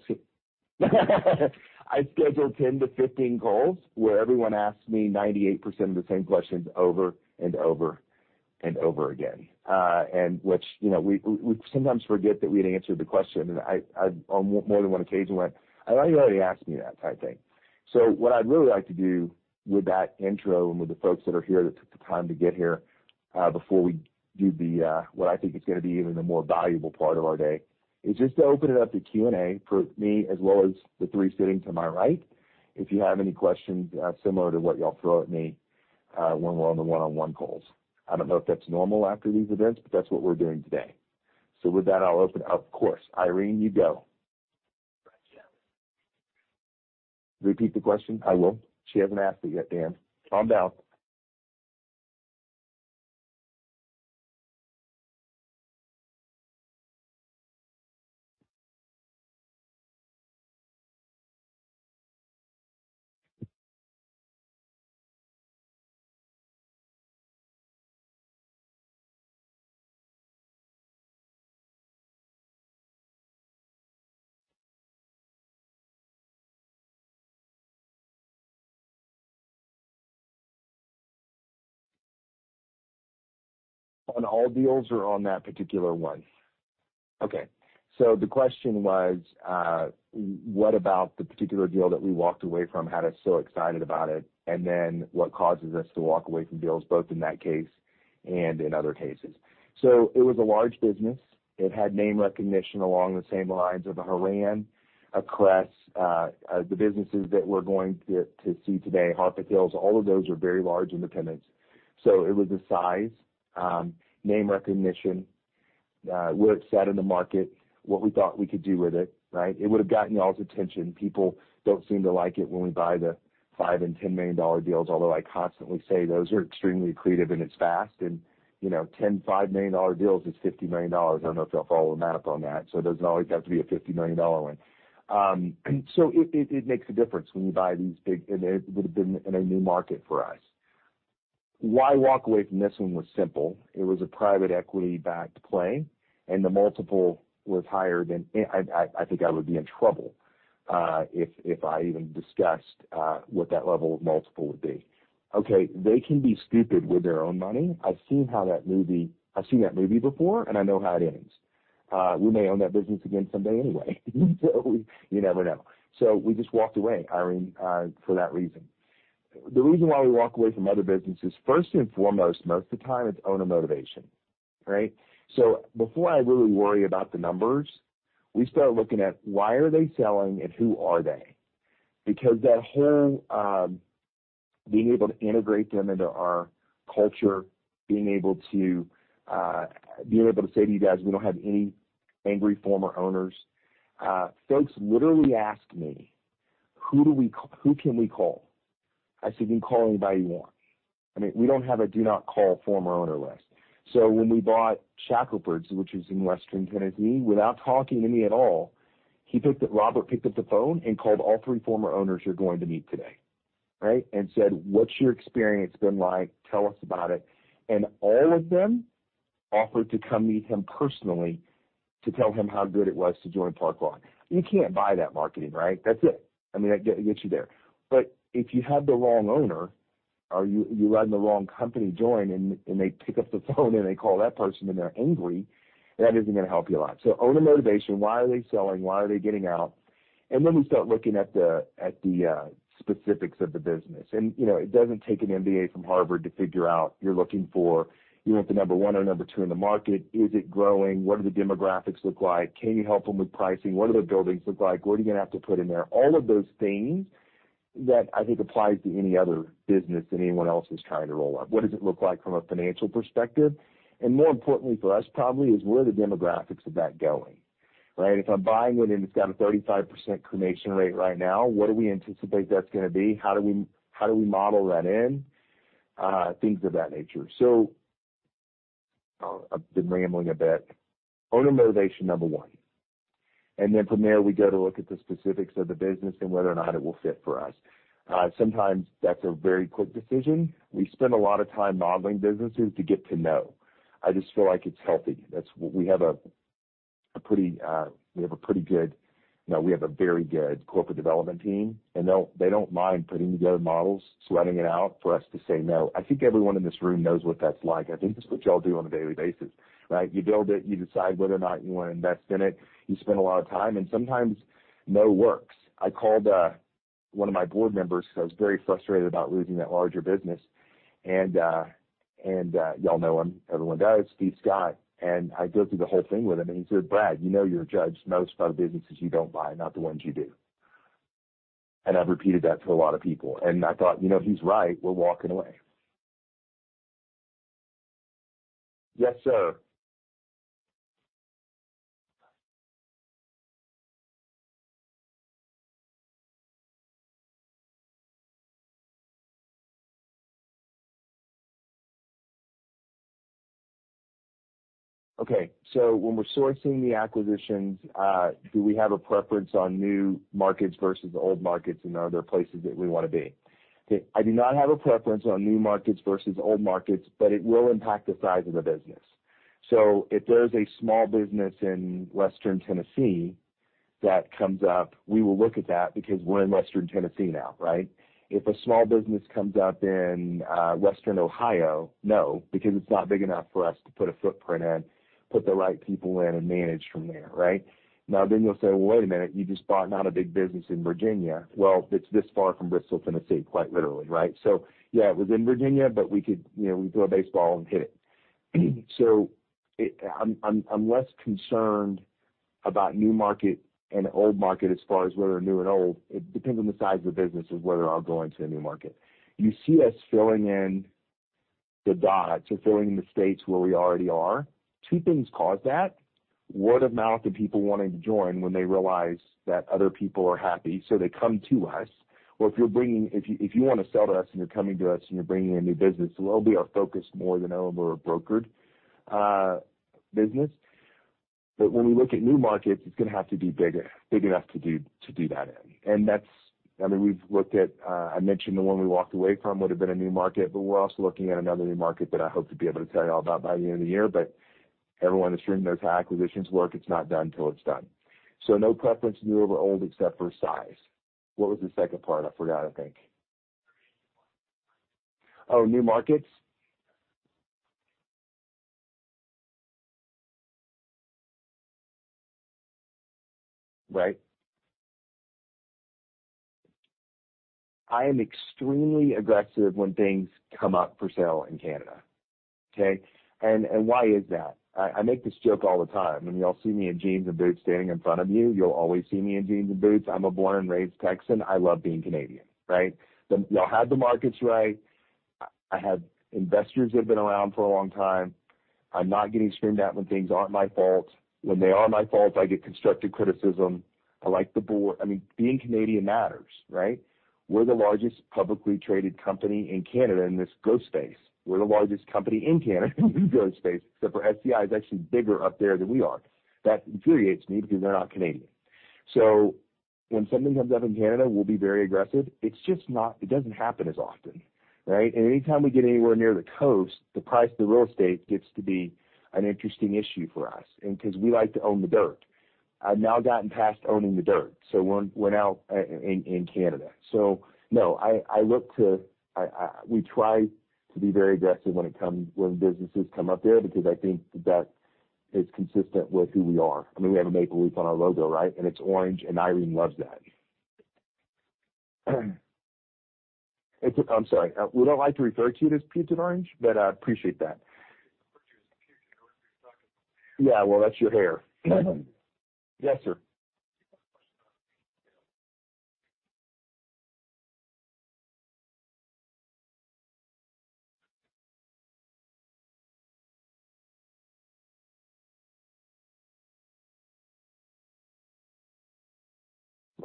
I schedule 10-15 calls where everyone asks me 98% of the same questions over and over and over again, and which, you know, we sometimes forget that we had answered the question. I on more than one occasion went, "I thought you already asked me that," type thing. What I'd really like to do with that intro and with the folks that are here that took the time to get here, before we do the what I think is gonna be even the more valuable part of our day, is just to open it up to Q&A for me as well as the three sitting to my right, if you have any questions, similar to what y'all throw at me, when we're on the one-on-one calls. I don't know if that's normal after these events, but that's what we're doing today. With that, I'll open. Of course, Irene, you go. Repeat the question? I will. She hasn't asked it yet, Dan. Calm down. On all deals or on that particular one? Okay. The question was, what about the particular deal that we walked away from, had us so excited about it, and then what causes us to walk away from deals, both in that case and in other cases. It was a large business. It had name recognition along the same lines of a Horan, a Cress, the businesses that we're going to see today, Harpeth Hills, all of those are very large independents. It was the size, name recognition, where it sat in the market, what we thought we could do with it, right? It would have gotten y'all's attention. People don't seem to like it when we buy the $5 million and $10 million deals, although I constantly say those are extremely accretive and it's fast. You know, 10 $5 million deals is $50 million. I don't know if y'all follow the math on that. It doesn't always have to be a $50 million one. It makes a difference when you buy these big. It would have been in a new market for us. Why walk away from this one was simple. It was a private equity-backed play, and the multiple was higher than I think I would be in trouble if I even discussed what that level of multiple would be. Okay, they can be stupid with their own money. I've seen that movie before, and I know how it ends. We may own that business again someday anyway, you never know. We just walked away, Irene, for that reason. The reason why we walk away from other businesses, first and foremost, most of the time it's owner motivation, right? Before I really worry about the numbers, we start looking at why are they selling and who are they? Because that whole, being able to integrate them into our culture, being able to, being able to say to you guys, "We don't have any angry former owners." Folks literally ask me, "Who can we call?" I say, "You can call anybody you want." I mean, we don't have a do not call former owner list. When we bought Shackelford's, which is in western Tennessee, without talking to me at all, Robert picked up the phone and called all three former owners you're going to meet today, right? said, "What's your experience been like? Tell us about it." All of them offered to come meet him personally to tell him how good it was to join Park Lawn. You can't buy that marketing, right? That's it. I mean, that gets you there. But if you have the wrong owner. Or you run the wrong company to join, and they pick up the phone and they call that person and they're angry, that isn't gonna help you a lot. So owner motivation, why are they selling? Why are they getting out? Then we start looking at the specifics of the business. You know, it doesn't take an MBA from Harvard to figure out you're looking for. You want the number one or number two in the market. Is it growing? What do the demographics look like? Can you help them with pricing? What do the buildings look like? What are you gonna have to put in there? All of those things that I think applies to any other business that anyone else is trying to roll up. What does it look like from a financial perspective? More importantly for us probably is where are the demographics of that going? Right? If I'm buying one and it's got a 35% cremation rate right now, what do we anticipate that's gonna be? How do we model that in? Things of that nature. I've been rambling a bit. Owner motivation, number one. From there, we go to look at the specifics of the business and whether or not it will fit for us. Sometimes that's a very quick decision. We spend a lot of time modeling businesses to get to know. I just feel like it's healthy. That's what. We have a very good corporate development team, and they don't mind putting together models, sweating it out for us to say no. I think everyone in this room knows what that's like. I think that's what y'all do on a daily basis, right? You build it, you decide whether or not you wanna invest in it. You spend a lot of time, and sometimes no works. I called one of my board members because I was very frustrated about losing that larger business. Y'all know him, everyone does, Steve Scott. I go through the whole thing with him, and he said, "Brad, you know you're judged most by the businesses you don't buy, not the ones you do." I've repeated that to a lot of people. I thought, "You know, he's right. We're walking away." Yes, sir. Okay. When we're sourcing the acquisitions, do we have a preference on new markets versus old markets and are there places that we wanna be? I do not have a preference on new markets versus old markets, but it will impact the size of the business. If there's a small business in Western Tennessee that comes up, we will look at that because we're in Western Tennessee now, right? If a small business comes up in Western Ohio, no, because it's not big enough for us to put a footprint in, put the right people in, and manage from there, right? Now then you'll say, "Well, wait a minute. You just bought not a big business in Virginia." Well, it's this far from Bristol, Tennessee, quite literally, right? Yeah, it was in Virginia, but we could, you know, we throw a baseball and hit it. I'm less concerned about new market and old market as far as whether they're new and old. It depends on the size of the business of whether I'll go into a new market. You see us filling in the dots or filling in the states where we already are. Two things cause that. What amount of people wanting to join when they realize that other people are happy, so they come to us. Or if you wanna sell to us and you're bringing in new business, it will be our focus more than over a brokered business. When we look at new markets, it's gonna have to be bigger, big enough to do that in. I mean, we've looked at, I mentioned the one we walked away from would have been a new market, but we're also looking at another new market that I hope to be able to tell you all about by the end of the year. Everyone in this room knows how acquisitions work. It's not done till it's done. No preference new over old except for size. What was the second part? I forgot, I think. Oh, new markets? Right. I am extremely aggressive when things come up for sale in Canada, okay? Why is that? I make this joke all the time, and y'all see me in jeans and boots standing in front of you. You'll always see me in jeans and boots. I'm a born and raised Texan. I love being Canadian, right? Y'all have the markets right. I have investors that have been around for a long time. I'm not getting screamed at when things aren't my fault. When they are my fault, I get constructive criticism. I like the board. I mean, being Canadian matters, right? We're the largest publicly traded company in Canada in this ghost space. We're the largest company in Canada in this ghost space, except for SCI is actually bigger up there than we are. That infuriates me because they're not Canadian. When something comes up in Canada, we'll be very aggressive. It doesn't happen as often, right? Anytime we get anywhere near the coast, the price of the real estate gets to be an interesting issue for us and because we like to own the dirt. I've now gotten past owning the dirt, so we're now in Canada. No, I look to... We try to be very aggressive when businesses come up there because I think that is consistent with who we are. I mean, we have a maple leaf on our logo, right? It's orange, and Irene loves that. I'm sorry. We don't like to refer to you as peach and orange, but I appreciate that. Yeah. Well, that's your hair. Yes, sir.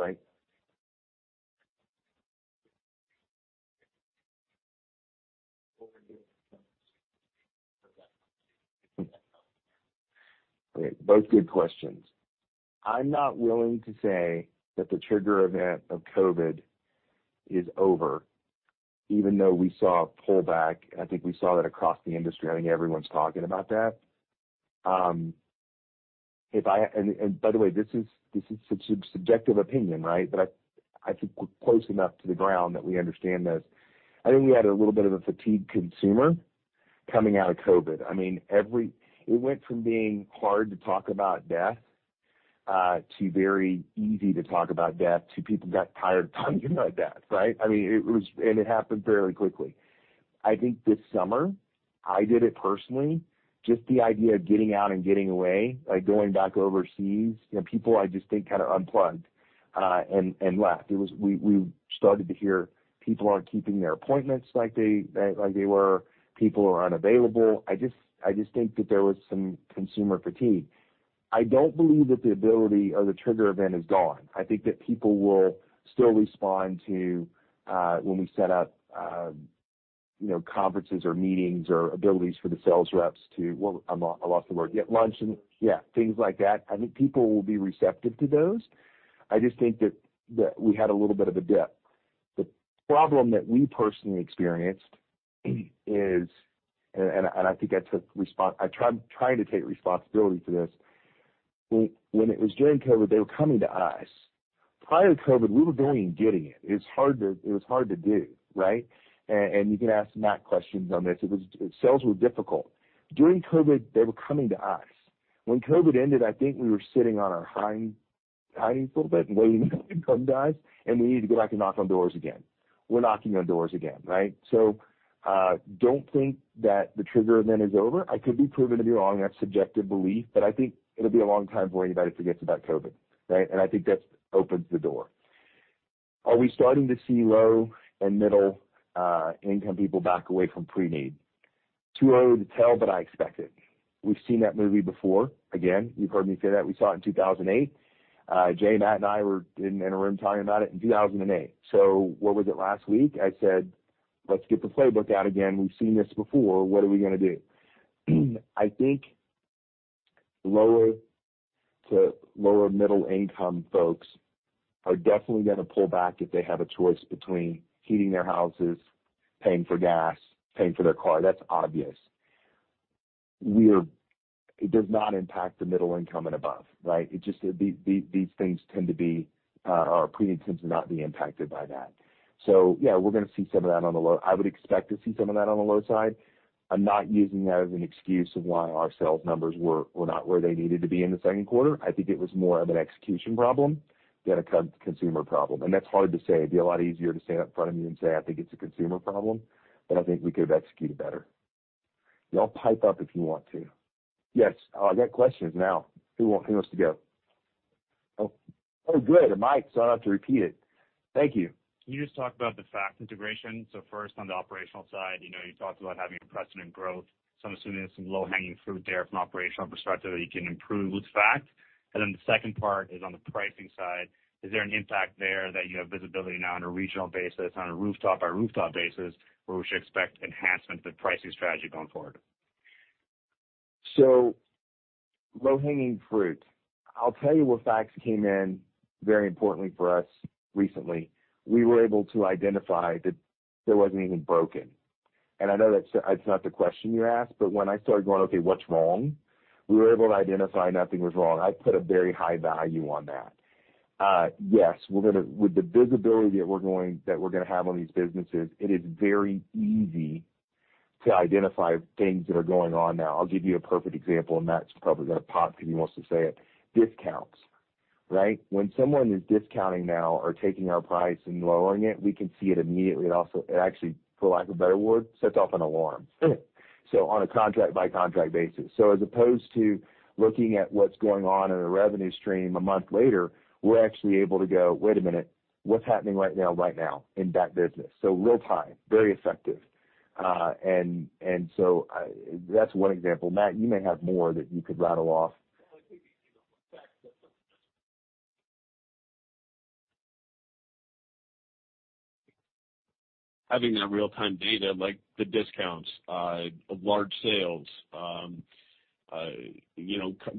Right. Both good questions. I'm not willing to say that the trigger event of COVID is over, even though we saw a pullback. I think we saw that across the industry. I think everyone's talking about that. By the way, this is subjective opinion, right? I think we're close enough to the ground that we understand this. I think we had a little bit of a fatigued consumer coming out of COVID. I mean, it went from being hard to talk about death to very easy to talk about death to people got tired of talking about death, right? I mean, it was. It happened fairly quickly. I think this summer, I did it personally, just the idea of getting out and getting away, like going back overseas, you know, people I just think kinda unplugged and left. It was. We started to hear people aren't keeping their appointments like they were. People are unavailable. I just think that there was some consumer fatigue. I don't believe that the ability or the trigger event is gone. I think that people will still respond to when we set up, you know, conferences or meetings or abilities for the sales reps to. Well, I lost the word. Get lunch and yeah, things like that. I think people will be receptive to those. I just think that we had a little bit of a dip. The problem that we personally experienced is, and I think I tried to take responsibility for this. When it was during COVID, they were coming to us. Prior to COVID, we were going and getting it. It was hard to do, right? You can ask Matt questions on this. Sales were difficult. During COVID, they were coming to us. When COVID ended, I think we were sitting on our hinds a little bit and waiting for them to come to us, and we needed to go back and knock on doors again. We're knocking on doors again, right? I don't think that the trigger event is over. I could be proven to be wrong. That's subjective belief, but I think it'll be a long time before anybody forgets about COVID, right? I think that opens the door. Are we starting to see low and middle income people back away from pre-need? Too early to tell, but I expect it. We've seen that movie before. Again, you've heard me say that. We saw it in 2008. Jay, Matt and I were in a room talking about it in 2008. What was it last week? I said, "Let's get the playbook out again. We've seen this before. What are we gonna do?" I think lower to lower middle income folks are definitely gonna pull back if they have a choice between heating their houses, paying for gas, paying for their car. That's obvious. It does not impact the middle income and above, right? These things tend to be, or pre-need seems to not be impacted by that. So yeah, we're gonna see some of that on the low. I would expect to see some of that on the low side. I'm not using that as an excuse of why our sales numbers were not where they needed to be in the second quarter. I think it was more of an execution problem than a consumer problem. That's hard to say. It'd be a lot easier to stand up in front of you and say, I think it's a consumer problem, but I think we could have executed better. Y'all pipe up if you want to. Yes. I got questions now. Who wants to go? Oh, good. Mike, so I don't have to repeat it. Thank you. Can you just talk about the FaCTS integration? First on the operational side, you know, you talked about having a precedent growth. I'm assuming there's some low-hanging fruit there from an operational perspective that you can improve with FaCTS. The second part is on the pricing side. Is there an impact there that you have visibility now on a regional basis, on a rooftop by rooftop basis, where we should expect enhancements to the pricing strategy going forward? Low-hanging fruit. I'll tell you where FaCTS came in very importantly for us recently. We were able to identify that there wasn't anything broken. I know that's, it's not the question you asked, but when I started going, "Okay, what's wrong?" We were able to identify nothing was wrong. I put a very high value on that. Yes, with the visibility that we're going to have on these businesses, it is very easy to identify things that are going on now. I'll give you a perfect example, and Matt's probably gonna pop because he wants to say it. Discounts, right? When someone is discounting now or taking our price and lowering it, we can see it immediately. It also actually, for lack of a better word, sets off an alarm. On a contract by contract basis. As opposed to looking at what's going on in a revenue stream a month later, we're actually able to go, "Wait a minute, what's happening right now, right now in that business?" Real time, very effective. That's one example. Matt, you may have more that you could rattle off. Having that real-time data, like the discounts, large sales,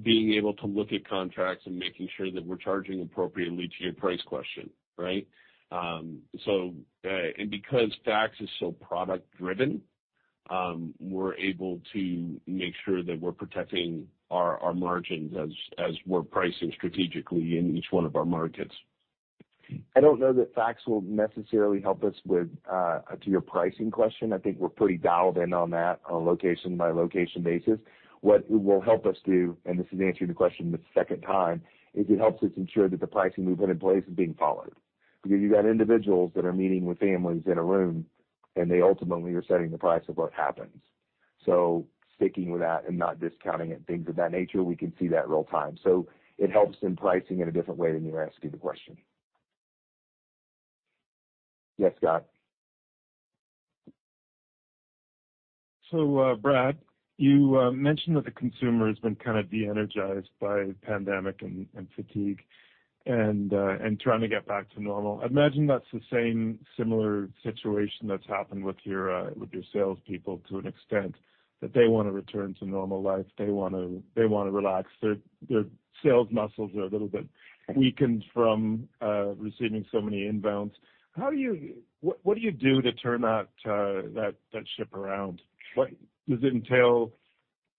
being able to look at contracts and making sure that we're charging appropriately to your price question, right? Because FaCTS is so product driven, we're able to make sure that we're protecting our margins as we're pricing strategically in each one of our markets. I don't know that FaCTS will necessarily help us with your pricing question. I think we're pretty dialed in on that on a location by location basis. What it will help us do, and this is answering the question the second time, is it helps us ensure that the pricing we put in place is being followed. Because you got individuals that are meeting with families in a room, and they ultimately are setting the price of what happens. Sticking with that and not discounting it, things of that nature, we can see that real time. It helps in pricing in a different way than you're asking the question. Yes, Scott. Brad, you mentioned that the consumer has been kind of de-energized by pandemic and fatigue and trying to get back to normal. I'd imagine that's the same similar situation that's happened with your salespeople to an extent, that they wanna return to normal life. They wanna relax. Their sales muscles are a little bit weakened from receiving so many inbounds. What do you do to turn that ship around? What does it entail?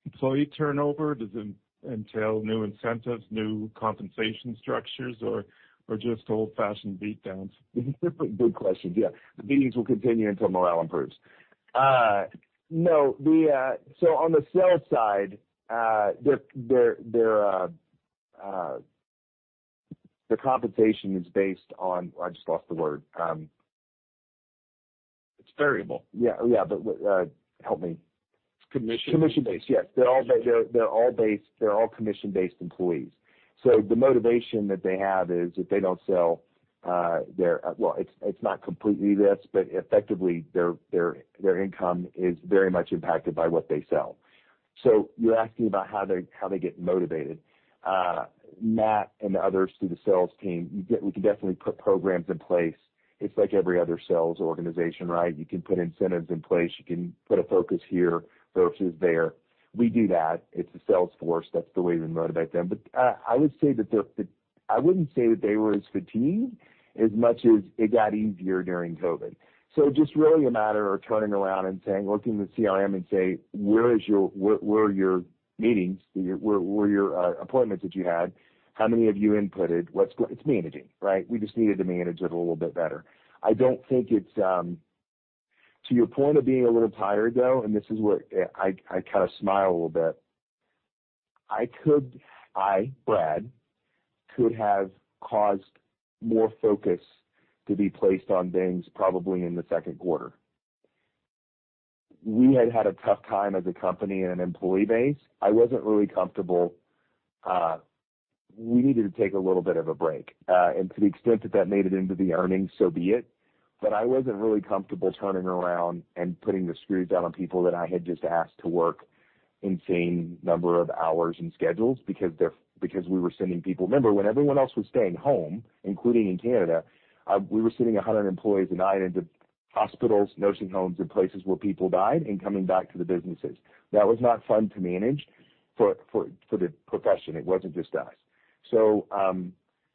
Employee turnover, does it entail new incentives, new compensation structures, or just old-fashioned beat downs? Good question. Yeah. The beatings will continue until morale improves. No. On the sales side, the compensation is based on. I just lost the word. It's variable. Yeah, help me. It's commission. Commission-based, yes. They're all commission-based employees. The motivation that they have is if they don't sell, their income is very much impacted by what they sell. Well, it's not completely this, but effectively their income is very much impacted by what they sell. You're asking about how they get motivated. Matt and others through the sales team, we can definitely put programs in place. It's like every other sales organization, right? You can put incentives in place. You can put a focus here versus there. We do that. It's a sales force. That's the way we motivate them. I would say that they. I wouldn't say that they were as fatigued. As much as it got easier during COVID. Just really a matter of turning around and saying, looking at the CRM and say, "Where are your meetings? Where were your appointments that you had? How many of you inputted?" It's managing, right? We just needed to manage it a little bit better. I don't think it's to your point of being a little tired, though, and this is where I kinda smile a little bit. I, Brad, could have caused more focus to be placed on things probably in the second quarter. We had had a tough time as a company and an employee base. I wasn't really comfortable. We needed to take a little bit of a break. To the extent that that made it into the earnings, so be it. I wasn't really comfortable turning around and putting the screws on people that I had just asked to work insane number of hours and schedules because we were sending people. Remember, when everyone else was staying home, including in Canada, we were sending 100 employees a night into hospitals, nursing homes, and places where people died and coming back to the businesses. That was not fun to manage for the profession. It wasn't just us.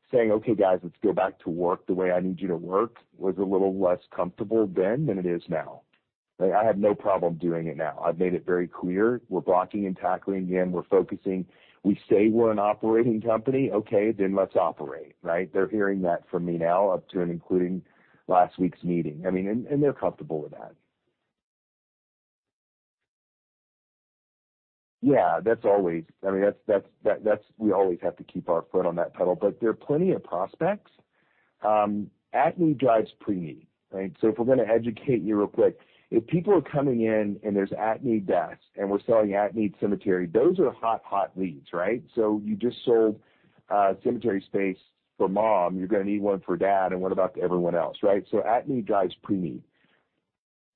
Saying, "Okay, guys, let's go back to work the way I need you to work," was a little less comfortable then than it is now. I have no problem doing it now. I've made it very clear. We're blocking and tackling again. We're focusing. We say we're an operating company. Okay, then let's operate, right? They're hearing that from me now up to and including last week's meeting. I mean, and they're comfortable with that. Yeah, that's always. I mean, that's. We always have to keep our foot on that pedal, but there are plenty of prospects. At-need drives pre-need, right? If we're gonna educate you real quick, if people are coming in and there's at-need deaths and we're selling at-need cemetery, those are hot leads, right? You just sold cemetery space for mom, you're gonna need one for dad, and what about everyone else, right? At-need drives pre-need.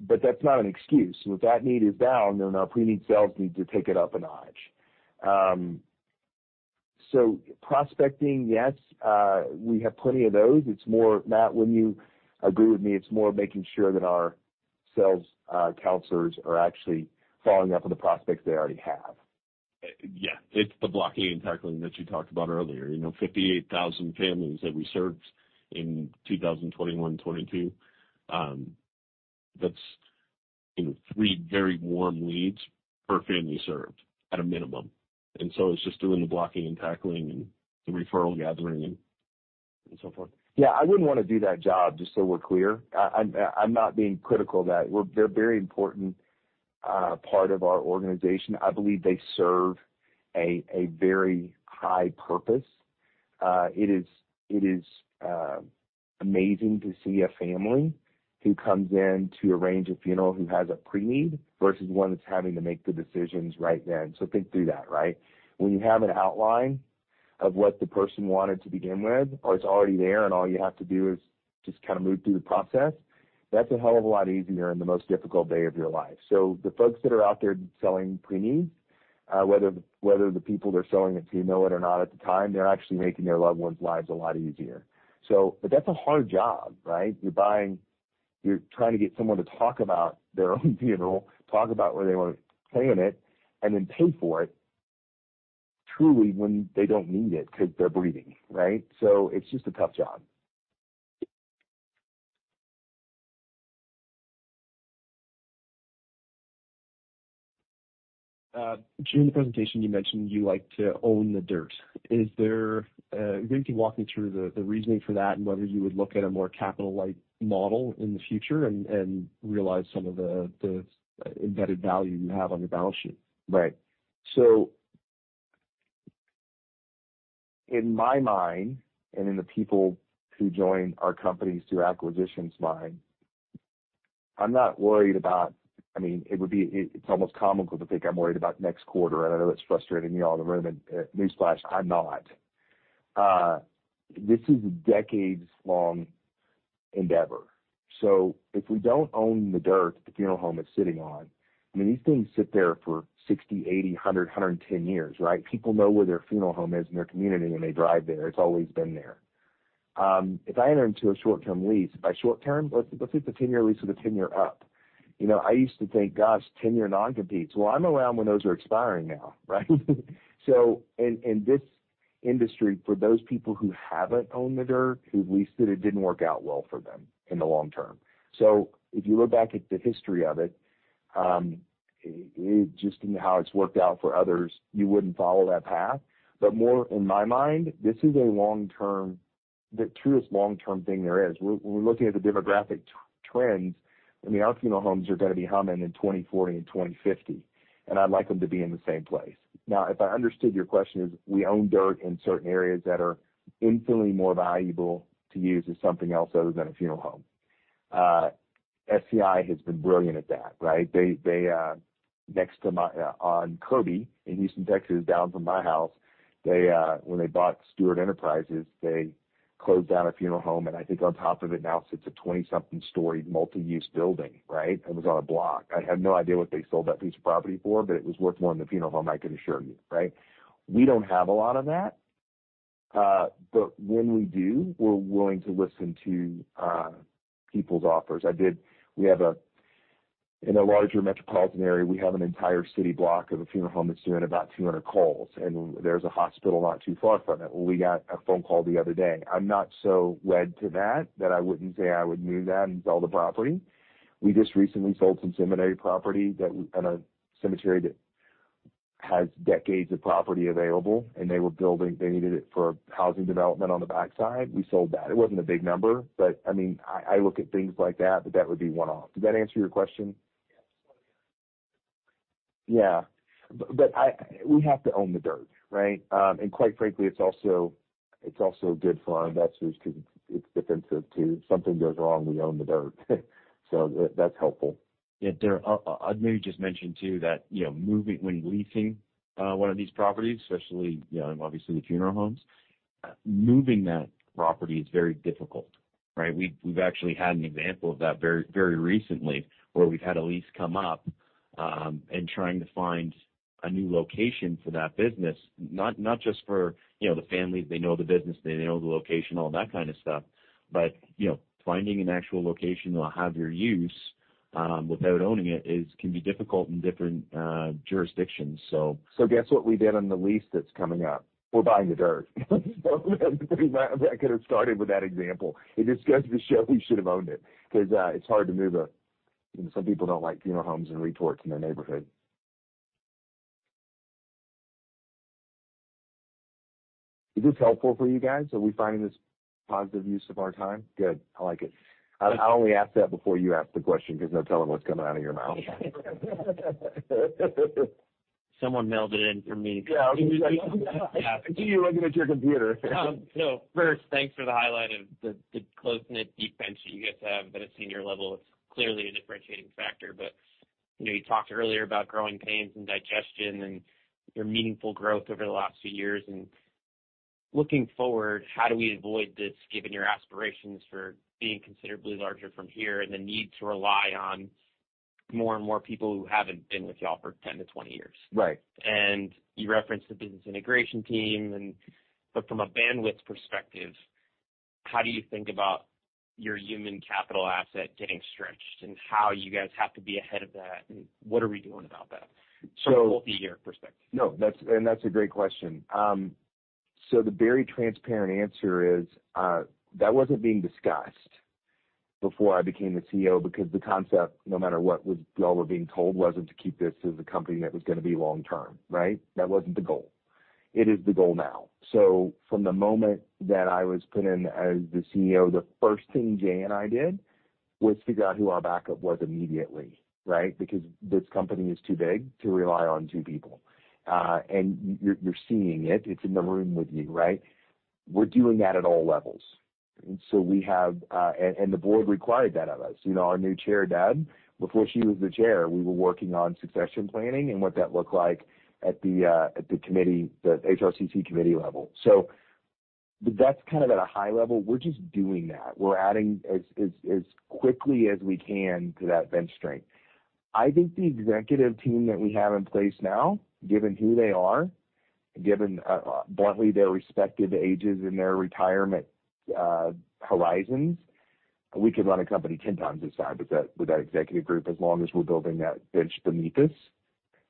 That's not an excuse. If at-need is down, then our pre-need sales need to take it up a notch. Prospecting, yes, we have plenty of those. It's more. Matt, would you agree with me? It's more making sure that our sales counselors are actually following up with the prospects they already have. Yeah. It's the blocking and tackling that you talked about earlier. You know, 58,000 families that we served in 2021, 2022, that's three very warm leads per family served at a minimum. It's just doing the blocking and tackling and the referral gathering and so forth. Yeah, I wouldn't wanna do that job, just so we're clear. I'm not being critical that. They're a very important part of our organization. I believe they serve a very high purpose. It is amazing to see a family who comes in to arrange a funeral who has a pre-need versus one that's having to make the decisions right then. Think through that, right? When you have an outline of what the person wanted to begin with, or it's already there and all you have to do is just kinda move through the process, that's a hell of a lot easier in the most difficult day of your life. The folks that are out there selling pre-needs, whether the people they're selling it to know it or not at the time, they're actually making their loved ones' lives a lot easier. That's a hard job, right? You're trying to get someone to talk about their own funeral, talk about where they wanna be laying it, and then pay for it truly when they don't need it because they're breathing, right? It's just a tough job. During the presentation you mentioned you like to own the dirt. Can you walk me through the reasoning for that and whether you would look at a more capital-light model in the future and realize some of the embedded value you have on your balance sheet? Right. In my mind and in the people who join our companies through acquisitions mind, I'm not worried about. I mean, it's almost comical to think I'm worried about next quarter. I know that's frustrating y'all in the room. Newsflash, I'm not. This is a decades long endeavor. If we don't own the dirt the funeral home is sitting on, I mean, these things sit there for 60, 80, 100, 110 years, right? People know where their funeral home is in their community, and they drive there. It's always been there. If I enter into a short-term lease. By short-term, let's say it's a 10-year lease with a 10-year up. You know, I used to think, gosh, 10-year non-competes. Well, I'm around when those are expiring now, right? This industry for those people who haven't owned the dirt, who leased it didn't work out well for them in the long term. If you look back at the history of it just in how it's worked out for others, you wouldn't follow that path. More in my mind, this is the truest long-term thing there is. We're looking at the demographic trends. I mean, our funeral homes are gonna be humming in 2040 and 2050, and I'd like them to be in the same place. Now, if I understood your question is, we own dirt in certain areas that are infinitely more valuable to use as something else other than a funeral home. SCI has been brilliant at that, right? On Kirby in Houston, Texas, down from my house, when they bought Stewart Enterprises, they closed down a funeral home, and I think on top of it now sits a 20-something-story multi-use building, right? It was on a block. I have no idea what they sold that piece of property for, but it was worth more than the funeral home, I can assure you, right? We don't have a lot of that. When we do, we're willing to listen to people's offers. In a larger metropolitan area, we have an entire city block of a funeral home that's doing about 200 calls, and there's a hospital not too far from it. We got a phone call the other day. I'm not so led to that I wouldn't say I would move that and sell the property. We just recently sold some seminary property that and a cemetery that has decades of property available, and they were building. They needed it for housing development on the backside. We sold that. It wasn't a big number, but, I mean, I look at things like that, but that would be one-off. Did that answer your question? Yes. We have to own the dirt, right? Quite frankly, it's also good for our investors because it's defensive too. If something goes wrong, we own the dirt. That's helpful. Yeah. I'd maybe just mention too that, you know, when leasing one of these properties, especially, you know, obviously the funeral homes, moving that property is very difficult, right? We've actually had an example of that very recently where we've had a lease come up, and trying to find a new location for that business, not just for, you know, the family. They know the business, they know the location, all that kind of stuff. You know, finding an actual location that'll have your use without owning it can be difficult in different jurisdictions, so. Guess what we did on the lease that's coming up? We're buying the dirt. I could have started with that example. It just goes to show we should have owned it because it's hard to move. Some people don't like funeral homes and retorts in their neighborhood. Is this helpful for you guys? Are we finding this positive use of our time? Good. I like it. I only ask that before you ask the question because no telling what's coming out of your mouth. Someone mailed it in for me. Yeah. I see you looking at your computer. First, thanks for the highlight of the close-knit deep bench that you guys have at a senior level. It's clearly a differentiating factor. You know, you talked earlier about growing pains and digestion and your meaningful growth over the last few years. Looking forward, how do we avoid this given your aspirations for being considerably larger from here and the need to rely on more and more people who haven't been with y'all for 10-20 years? Right. You referenced the business integration team. But from a bandwidth perspective, how do you think about your human capital asset getting stretched and how you guys have to be ahead of that? What are we doing about that from a full year perspective? No. That's a great question. The very transparent answer is that wasn't being discussed before I became the CEO because the concept, no matter what y'all were being told, wasn't to keep this as a company that was gonna be long term, right? That wasn't the goal. It is the goal now. From the moment that I was put in as the CEO, the first thing Jay and I did was figure out who our backup was immediately, right? Because this company is too big to rely on two people. You're seeing it's in the room with you, right? We're doing that at all levels. We have, and the board required that of us. You know, our new Chair, Deb, before she was the chair, we were working on succession planning and what that looked like at the committee, the HRCC committee level. That's kind of at a high level. We're just doing that. We're adding as quickly as we can to that bench strength. I think the executive team that we have in place now, given who they are, given bluntly, their respective ages and their retirement horizons, we could run a company ten times this size with that executive group, as long as we're building that bench beneath us,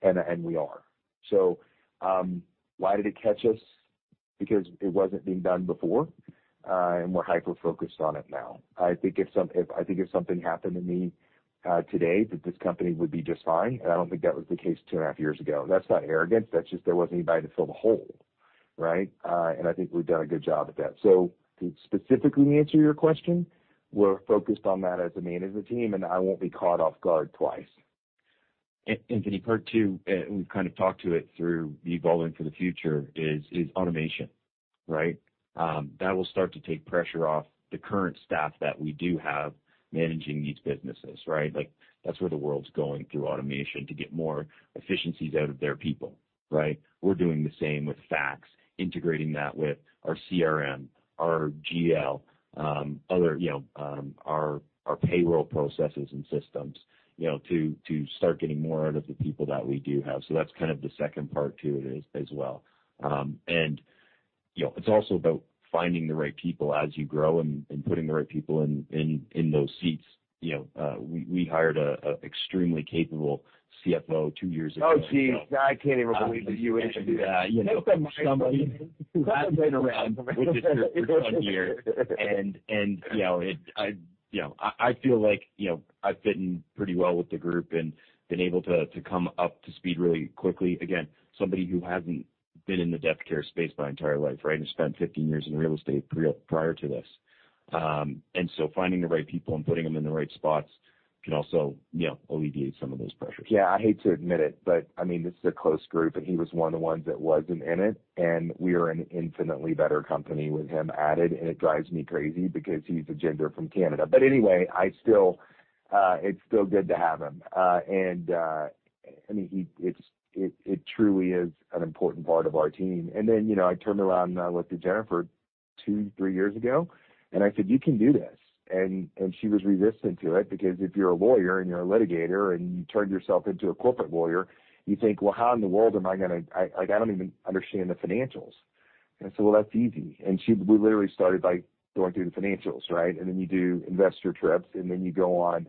and we are. Why did it catch us? Because it wasn't being done before, and we're hyper-focused on it now. I think if something happened to me, today, that this company would be just fine, and I don't think that was the case two and a half years ago. That's not arrogance. That's just there wasn't anybody to fill the hole, right? I think we've done a good job at that. To specifically answer your question, we're focused on that as a management team, and I won't be caught off guard twice. The part two we've kind of talked to it through evolving for the future is automation, right? That will start to take pressure off the current staff that we do have managing these businesses, right? Like, that's where the world's going through automation to get more efficiencies out of their people, right? We're doing the same with FaCTS, integrating that with our CRM, our GL, other you know our payroll processes and systems, you know, to start getting more out of the people that we do have. That's kind of the second part to it as well. You know, it's also about finding the right people as you grow and putting the right people in those seats. You know, we hired an extremely capable CFO two years ago. Oh, geez, I can't even believe that you introduced him. You know, somebody. Take the mic from him. Within his first year, you know, I feel like, you know, I've fit in pretty well with the group and been able to come up to speed really quickly. Again, somebody who hasn't been in the death care space my entire life, right? Spent 15 years in real estate prior to this. Finding the right people and putting them in the right spots can also, you know, alleviate some of those pressures. Yeah, I hate to admit it, but I mean, this is a close group, and he was one of the ones that wasn't in it, and we are an infinitely better company with him added, and it drives me crazy because he's a ginger from Canada. Anyway, it's still good to have him. I mean, it truly is an important part of our team. Then, you know, I turned around and I looked at Jennifer two, three years ago, and I said, "You can do this." She was resistant to it because if you're a lawyer and you're a litigator and you turned yourself into a corporate lawyer, you think, "Well, how in the world am I gonna? I like, I don't even understand the financials." I said, "Well, that's easy." She—we literally started by going through the financials, right? Then you do investor trips, and then you go on,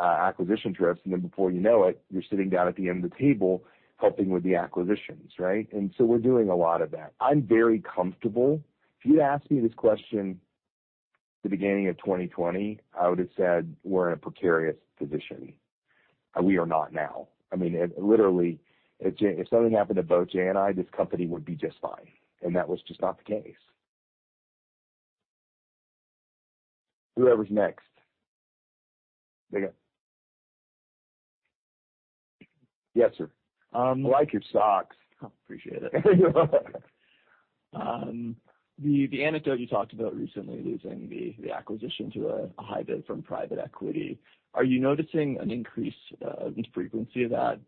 acquisition trips, and then before you know it, you're sitting down at the end of the table helping with the acquisitions, right? We're doing a lot of that. I'm very comfortable. If you'd asked me this question the beginning of 2020, I would have said we're in a precarious position. We are not now. I mean, literally, if something happened to both Jay and I, this company would be just fine, and that was just not the case. Whoever's next. There you go. Yes, sir. I like your socks. Appreciate it. The anecdote you talked about recently, losing the acquisition to a high bid from private equity, are you noticing an increase in frequency of that?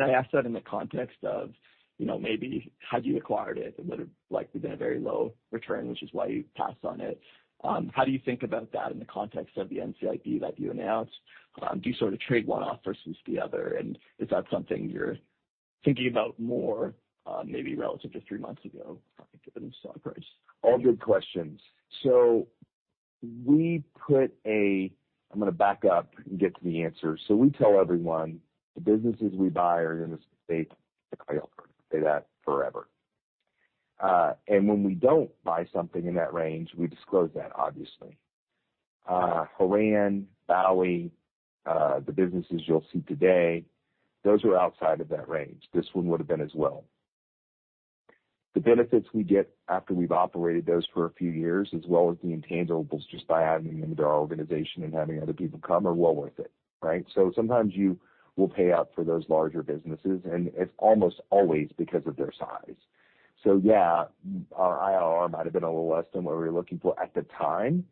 I ask that in the context of, you know, maybe had you acquired it would have likely been a very low return, which is why you passed on it. How do you think about that in the context of the NCIB that you announced? Do you sort of trade one off versus the other? Is that something you're thinking about more, maybe relative to three months ago given the stock price? All good questions. We tell everyone the businesses we buy are gonna state 10 IRR. Say that forever. When we don't buy something in that range, we disclose that, obviously. Horan, Bowie, the businesses you'll see today, those were outside of that range. This one would have been as well. The benefits we get after we've operated those for a few years, as well as the intangibles just by adding them to our organization and having other people come, are well worth it, right? Sometimes you will pay up for those larger businesses, and it's almost always because of their size. Yeah, our IRR might've been a little less than what we were looking for at the time,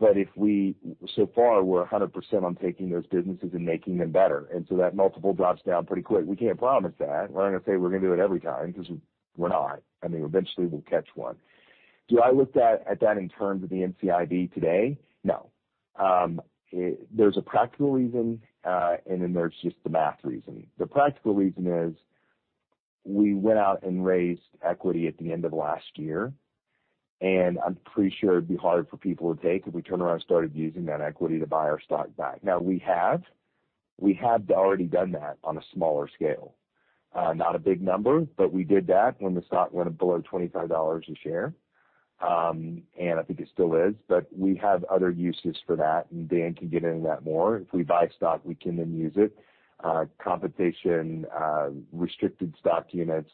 so far, we're 100% on taking those businesses and making them better. That multiple drops down pretty quick. We can't promise that. We're not gonna say we're gonna do it every time because we're not. I mean, eventually we'll catch one. Do I look at that in terms of the NCIB today? No. There's a practical reason, and then there's just the math reason. The practical reason is we went out and raised equity at the end of last year, and I'm pretty sure it'd be hard for people to take if we turned around and started using that equity to buy our stock back. Now we have. We have already done that on a smaller scale. Not a big number, but we did that when the stock went below 25 dollars a share, and I think it still is, but we have other uses for that, and Dan can get into that more. If we buy stock, we can then use it. Compensation, restricted stock units,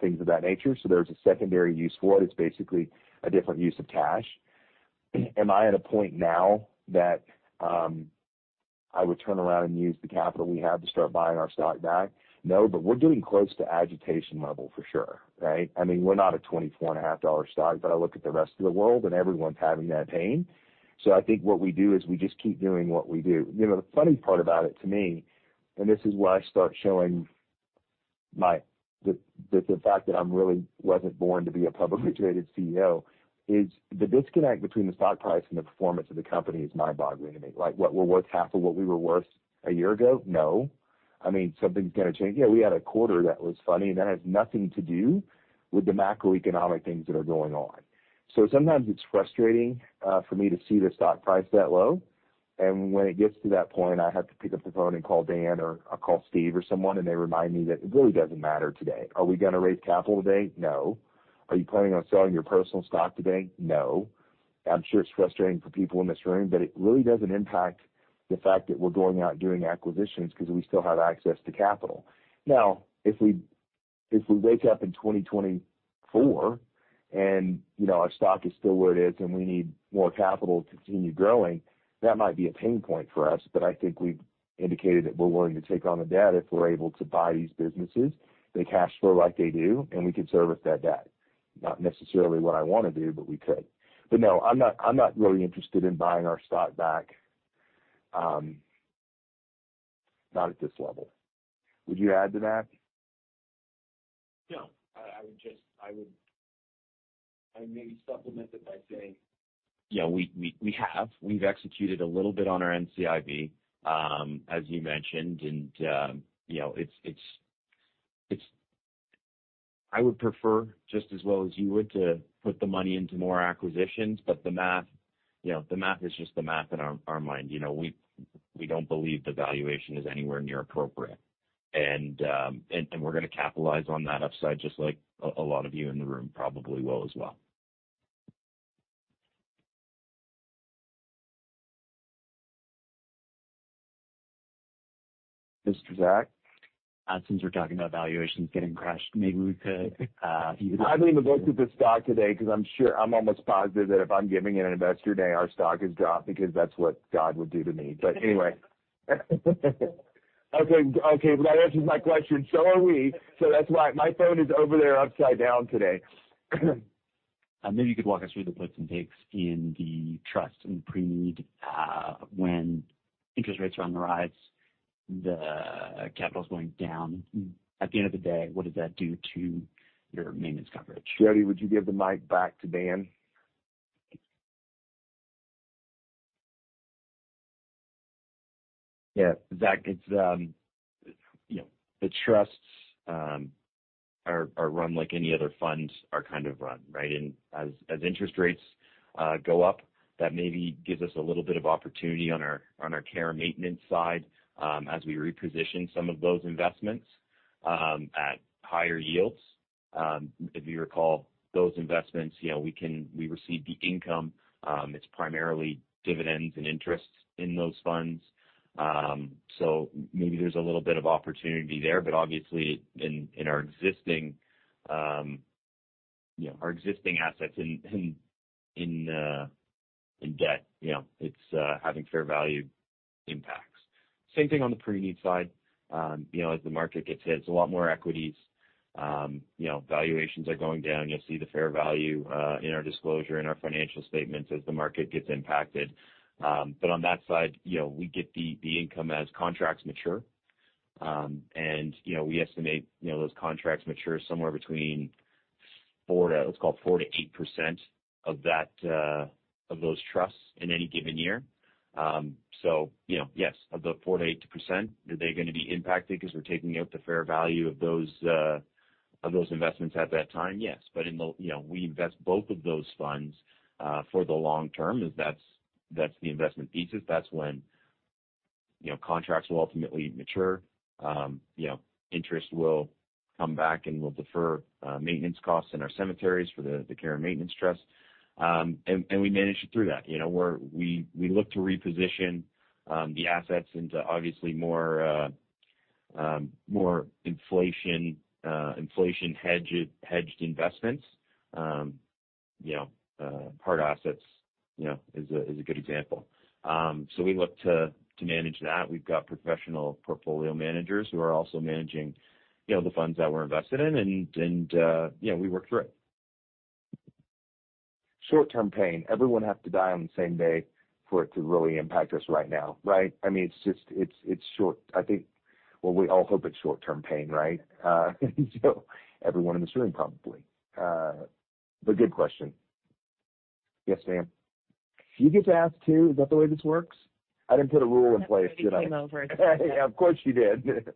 things of that nature. There's a secondary use for it. It's basically a different use of cash. Am I at a point now that, I would turn around and use the capital we have to start buying our stock back? No, but we're getting close to agitation level for sure, right? I mean, we're not a 24.5 dollar stock, but I look at the rest of the world and everyone's having that pain. I think what we do is we just keep doing what we do. You know, the funny part about it to me, and this is why I start showing the fact that I'm really wasn't born to be a publicly traded CEO, is the disconnect between the stock price and the performance of the company is mind-boggling to me. Like what, we're worth half of what we were worth a year ago? No. I mean, something's gonna change. Yeah, we had a quarter that was funny, and that has nothing to do with the macroeconomic things that are going on. Sometimes it's frustrating for me to see the stock price that low. When it gets to that point, I have to pick up the phone and call Dan or I'll call Steve or someone, and they remind me that it really doesn't matter today. Are we gonna raise capital today? No. Are you planning on selling your personal stock today? No. I'm sure it's frustrating for people in this room, but it really doesn't impact the fact that we're going out and doing acquisitions because we still have access to capital. Now, if we wake up in 2024 and, you know, our stock is still where it is and we need more capital to continue growing, that might be a pain point for us. I think we've indicated that we're willing to take on the debt if we're able to buy these businesses, they cash flow like they do, and we can service that debt. Not necessarily what I wanna do, but we could. No, I'm not really interested in buying our stock back, not at this level. Would you add to that? No. I would. I maybe supplement it by saying. Yeah, we have. We've executed a little bit on our NCIB, as you mentioned, and you know, I would prefer just as well as you would to put the money into more acquisitions, but the math, you know, the math is just the math in our mind. You know, we don't believe the valuation is anywhere near appropriate. We're gonna capitalize on that upside just like a lot of you in the room probably will as well. Mr. Zach? Since we're talking about valuations getting crushed, maybe we could. I believe I looked at the stock today 'cause I'm sure I'm almost positive that if I'm giving an Investor Day, our stock has dropped because that's what God would do to me. Anyway. Okay. Well, that answers my question. So that's why my phone is over there upside down today. Maybe you could walk us through the puts and takes in the trust and pre-need. When interest rates are on the rise, the capital's going down. At the end of the day, what does that do to your maintenance coverage? Jody, would you give the mic back to Dan? Yeah. Zach, it's, you know, the trusts are run like any other funds are kind of run, right? As interest rates go up, that maybe gives us a little bit of opportunity on our care and maintenance side, as we reposition some of those investments at higher yields. If you recall those investments, you know, we receive the income. It's primarily dividends and interests in those funds. Maybe there's a little bit of opportunity there. Obviously in our existing, you know, our existing assets in debt, you know, it's having fair value impacts. Same thing on the pre-need side. You know, as the market gets hit, it's a lot more equities. You know, valuations are going down. You'll see the fair value in our disclosure in our financial statements as the market gets impacted. On that side, you know, we get the income as contracts mature. We estimate those contracts mature. Let's call it 4%-8% of those trusts in any given year. You know, yes, of the 4%-8%, are they gonna be impacted 'cause we're taking out the fair value of those investments at that time? Yes. You know, we invest both of those funds for the long term as that's the investment thesis. That's when, you know, contracts will ultimately mature. You know, interest will come back, and we'll defer maintenance costs in our cemeteries for the care and maintenance trust. We manage through that. You know, we look to reposition the assets into obviously more inflation hedged investments. You know, hard assets, you know, is a good example. We look to manage that. We've got professional portfolio managers who are also managing, you know, the funds that we're invested in, and you know, we work through it. Short-term pain. Everyone have to die on the same day for it to really impact us right now, right? I mean, it's just short. I think, well, we all hope it's short-term pain, right? Everyone in this room probably. Good question. Yes, ma'am. Do you get to ask, too? Is that the way this works? I didn't put a rule in place, did I? I thought I already came over and said that. Of course, you did.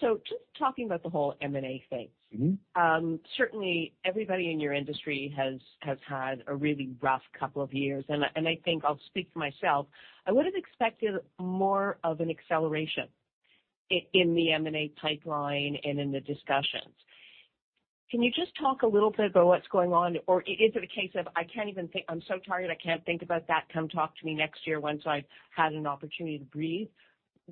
Just talking about the whole M&A thing. Mm-hmm. Certainly everybody in your industry has had a really rough couple of years, and I think I'll speak for myself. I would have expected more of an acceleration in the M&A pipeline and in the discussions. Can you just talk a little bit about what's going on? Or is it a case of I can't even think, I'm so tired, I can't think about that, come talk to me next year once I've had an opportunity to breathe?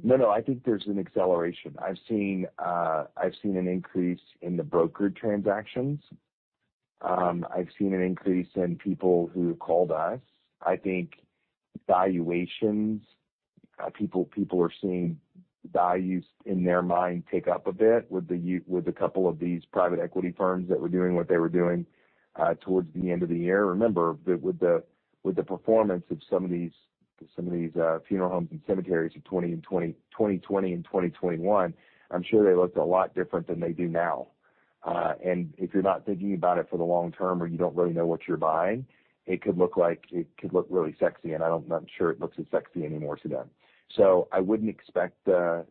No, no. I think there's an acceleration. I've seen an increase in the brokered transactions. I've seen an increase in people who called us. I think valuations, people are seeing values in their mind take up a bit with a couple of these private equity firms that were doing what they were doing towards the end of the year. Remember with the performance of some of these funeral homes and cemeteries in 2020 and 2021. I'm sure they looked a lot different than they do now. If you're not thinking about it for the long term or you don't really know what you're buying, it could look really sexy, and I'm not sure it looks as sexy anymore today. I wouldn't expect the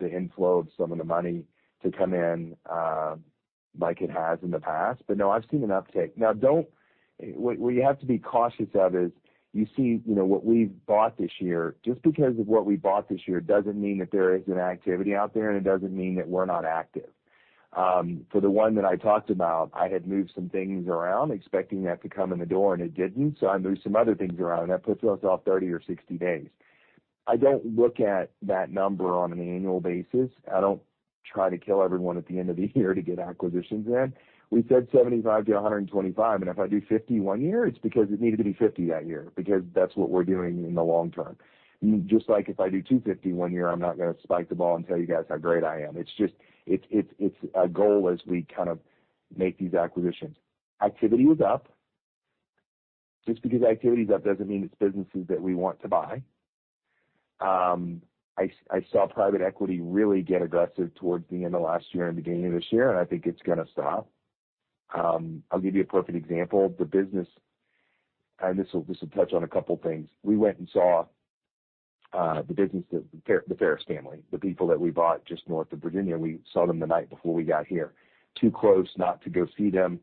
inflow of some of the money to come in like it has in the past. No, I've seen an uptick. What you have to be cautious of is you see what we've bought this year. Just because of what we bought this year doesn't mean that there isn't activity out there, and it doesn't mean that we're not active. For the one that I talked about, I had moved some things around expecting that to come in the door, and it didn't. I moved some other things around, and that puts us off 30 or 60 days. I don't look at that number on an annual basis. I don't try to kill everyone at the end of the year to get acquisitions in. We said 75-125, and if I do 50 one year, it's because it needed to be 50 that year because that's what we're doing in the long term. Just like if I do 250 one year, I'm not gonna spike the ball and tell you guys how great I am. It's just, it's a goal as we kind of make these acquisitions. Activity is up. Just because activity is up doesn't mean it's businesses that we want to buy. I saw private equity really get aggressive towards the end of last year and beginning of this year, and I think it's gonna stop. I'll give you a perfect example. This will touch on a couple things. We went and saw the business that the Ferris family, the people that we bought just north of Virginia, we saw them the night before we got here. Too close not to go see them.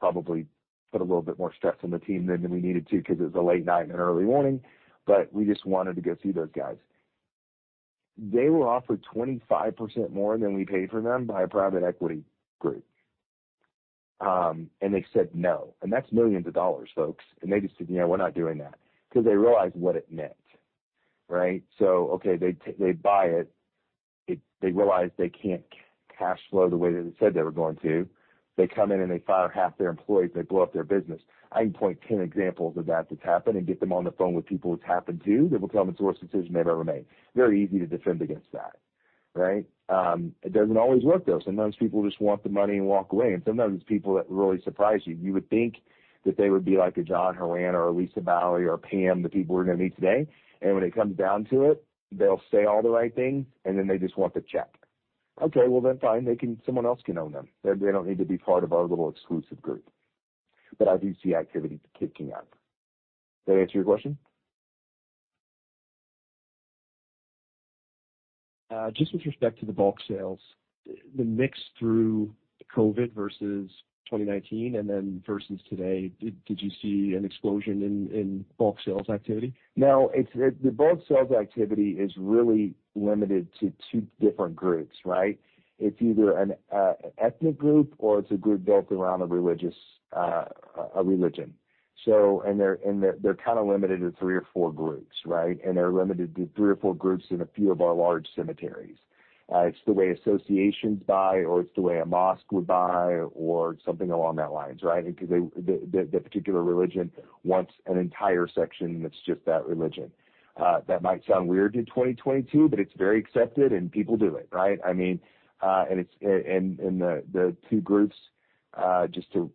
Probably put a little bit more stress on the team than we needed to, 'cause it was a late night and an early morning, but we just wanted to go see those guys. They were offered 25% more than we paid for them by a private equity group. And they said no, and that's millions of dollars, folks. And they just said, "You know, we're not doing that." 'Cause they realized what it meant, right? Okay, they buy it. They realize they can't cash flow the way that they said they were going to. They come in and they fire half their employees, they blow up their business. I can point 10 examples of that that's happened and get them on the phone with people it's happened to. They will tell him it's the worst decision they've ever made. Very easy to defend against that, right? It doesn't always work, though. Sometimes people just want the money and walk away, and sometimes it's people that really surprise you. You would think that they would be like a John Horan or a Lisa Baue or a Pam, the people we're gonna meet today, and when it comes down to it, they'll say all the right things, and then they just want the check. Okay, well then fine, they can. Someone else can own them. They don't need to be part of our little exclusive group. I do see activity picking up. That answer your question? Just with respect to the bulk sales, the mix through COVID versus 2019 and then versus today, did you see an explosion in bulk sales activity? No. It's the bulk sales activity is really limited to two different groups, right? It's either an ethnic group or it's a group built around a religion. They're kinda limited to three or four groups, right? They're limited to three or four groups in a few of our large cemeteries. It's the way associations buy or it's the way a mosque would buy or something along those lines, right? Because the particular religion wants an entire section that's just that religion. That might sound weird in 2022, but it's very accepted and people do it, right? I mean, the two groups, just to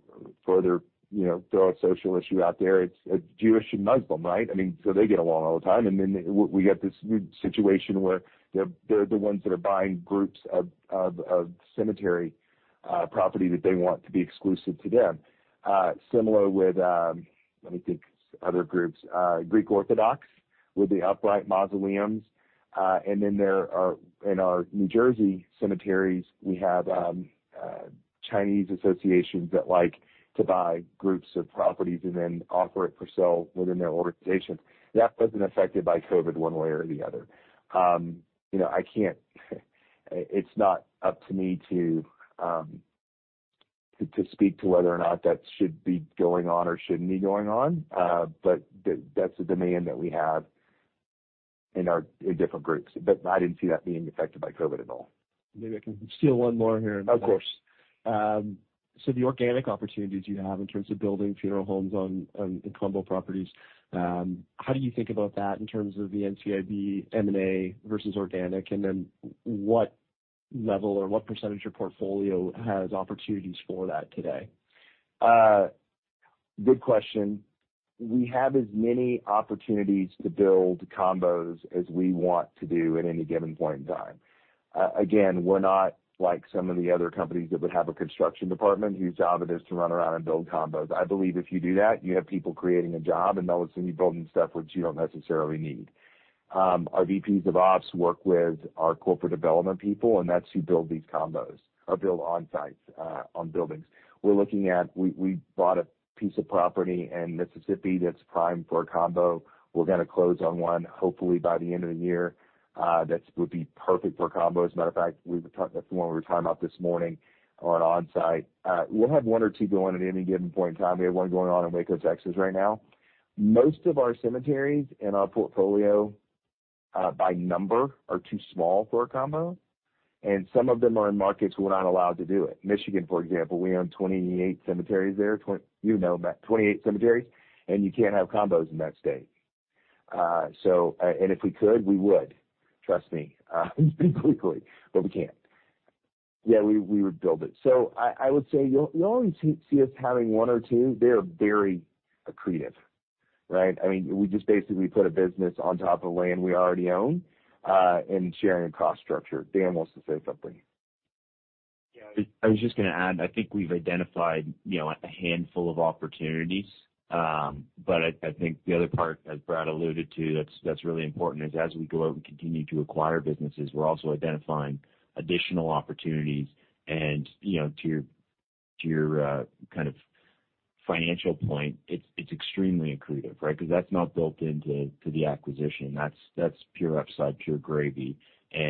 further, you know, throw a social issue out there, it's Jewish and Muslim, right? They get along all the time, and then we get this situation where they're the ones that are buying groups of cemetery property that they want to be exclusive to them. Similar with other groups, Greek Orthodox with the upright mausoleums. Then there are in our New Jersey cemeteries, we have Chinese associations that like to buy groups of properties and then offer it for sale within their organization. That wasn't affected by COVID one way or the other. You know, I can't. It's not up to me to speak to whether or not that should be going on or shouldn't be going on, but that's the demand that we have in our different groups. I didn't see that being affected by COVID at all. Maybe I can steal one more here. Of course. The organic opportunities you have in terms of building funeral homes in combo properties, how do you think about that in terms of the NCIB M&A versus organic? What level or what percentage of your portfolio has opportunities for that today? Good question. We have as many opportunities to build combos as we want to do at any given point in time. Again, we're not like some of the other companies that would have a construction department whose job it is to run around and build combos. I believe if you do that, you have people creating a job, and that would send you building stuff which you don't necessarily need. Our VPs of ops work with our corporate development people, and that's who build these combos or build on-sites on buildings. We bought a piece of property in Mississippi that's primed for a combo. We're gonna close on one, hopefully by the end of the year, that would be perfect for a combo. As a matter of fact, that's the one we were talking about this morning on on-site. We'll have one or two going at any given point in time. We have one going on in Waco, Texas, right now. Most of our cemeteries in our portfolio, by number are too small for a combo, and some of them are in markets we're not allowed to do it. Michigan, for example, we own 28 cemeteries there. You know, about 28 cemeteries, and you can't have combos in that state. And if we could, we would. Trust me. Completely, but we can't. Yeah, we would build it. I would say you'll see us having one or two. They're very accretive, right? I mean, we just basically put a business on top of land we already own, and sharing a cost structure. Dan wants to say something. Yeah. I was just gonna add, I think we've identified, you know, a handful of opportunities. But I think the other part, as Brad alluded to, that's really important is as we go out and continue to acquire businesses, we're also identifying additional opportunities. You know, to your kind of financial point, it's extremely accretive, right? Because that's not built into the acquisition. That's pure upside, pure gravy. You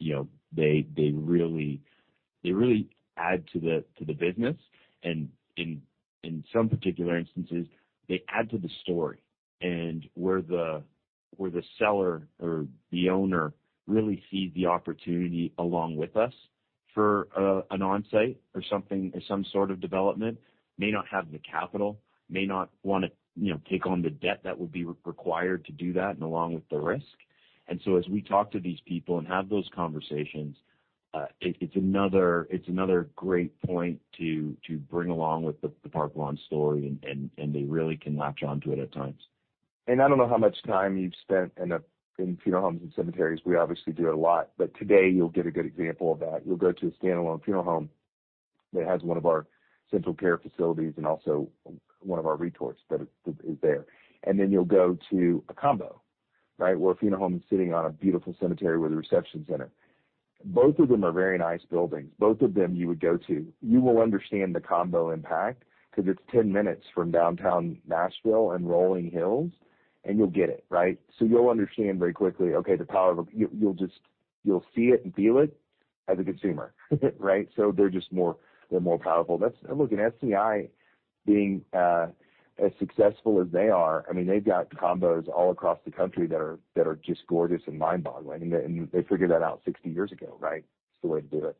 know, they really add to the business. In some particular instances, they add to the story and where the seller or the owner really sees the opportunity along with us for an on-site or something or some sort of development, may not have the capital, may not wanna, you know, take on the debt that would be required to do that and along with the risk. As we talk to these people and have those conversations, it's another great point to bring along with the Park Lawn story, and they really can latch onto it at times. I don't know how much time you've spent in funeral homes and cemeteries. We obviously do it a lot, but today you'll get a good example of that. You'll go to a standalone funeral home that has one of our central care facilities and also one of our retorts that is there. Then you'll go to a combo, right, where a funeral home is sitting on a beautiful cemetery with a reception center. Both of them are very nice buildings. Both of them you would go to. You will understand the combo impact because it's 10 minutes from downtown Nashville and Rolling Hills, and you'll get it, right? You'll understand very quickly. You'll see it and feel it as a consumer, right? They're just more powerful. Look, SCI being as successful as they are, I mean, they've got combos all across the country that are just gorgeous and mind-boggling. They figured that out 60 years ago, right? It's the way to do it.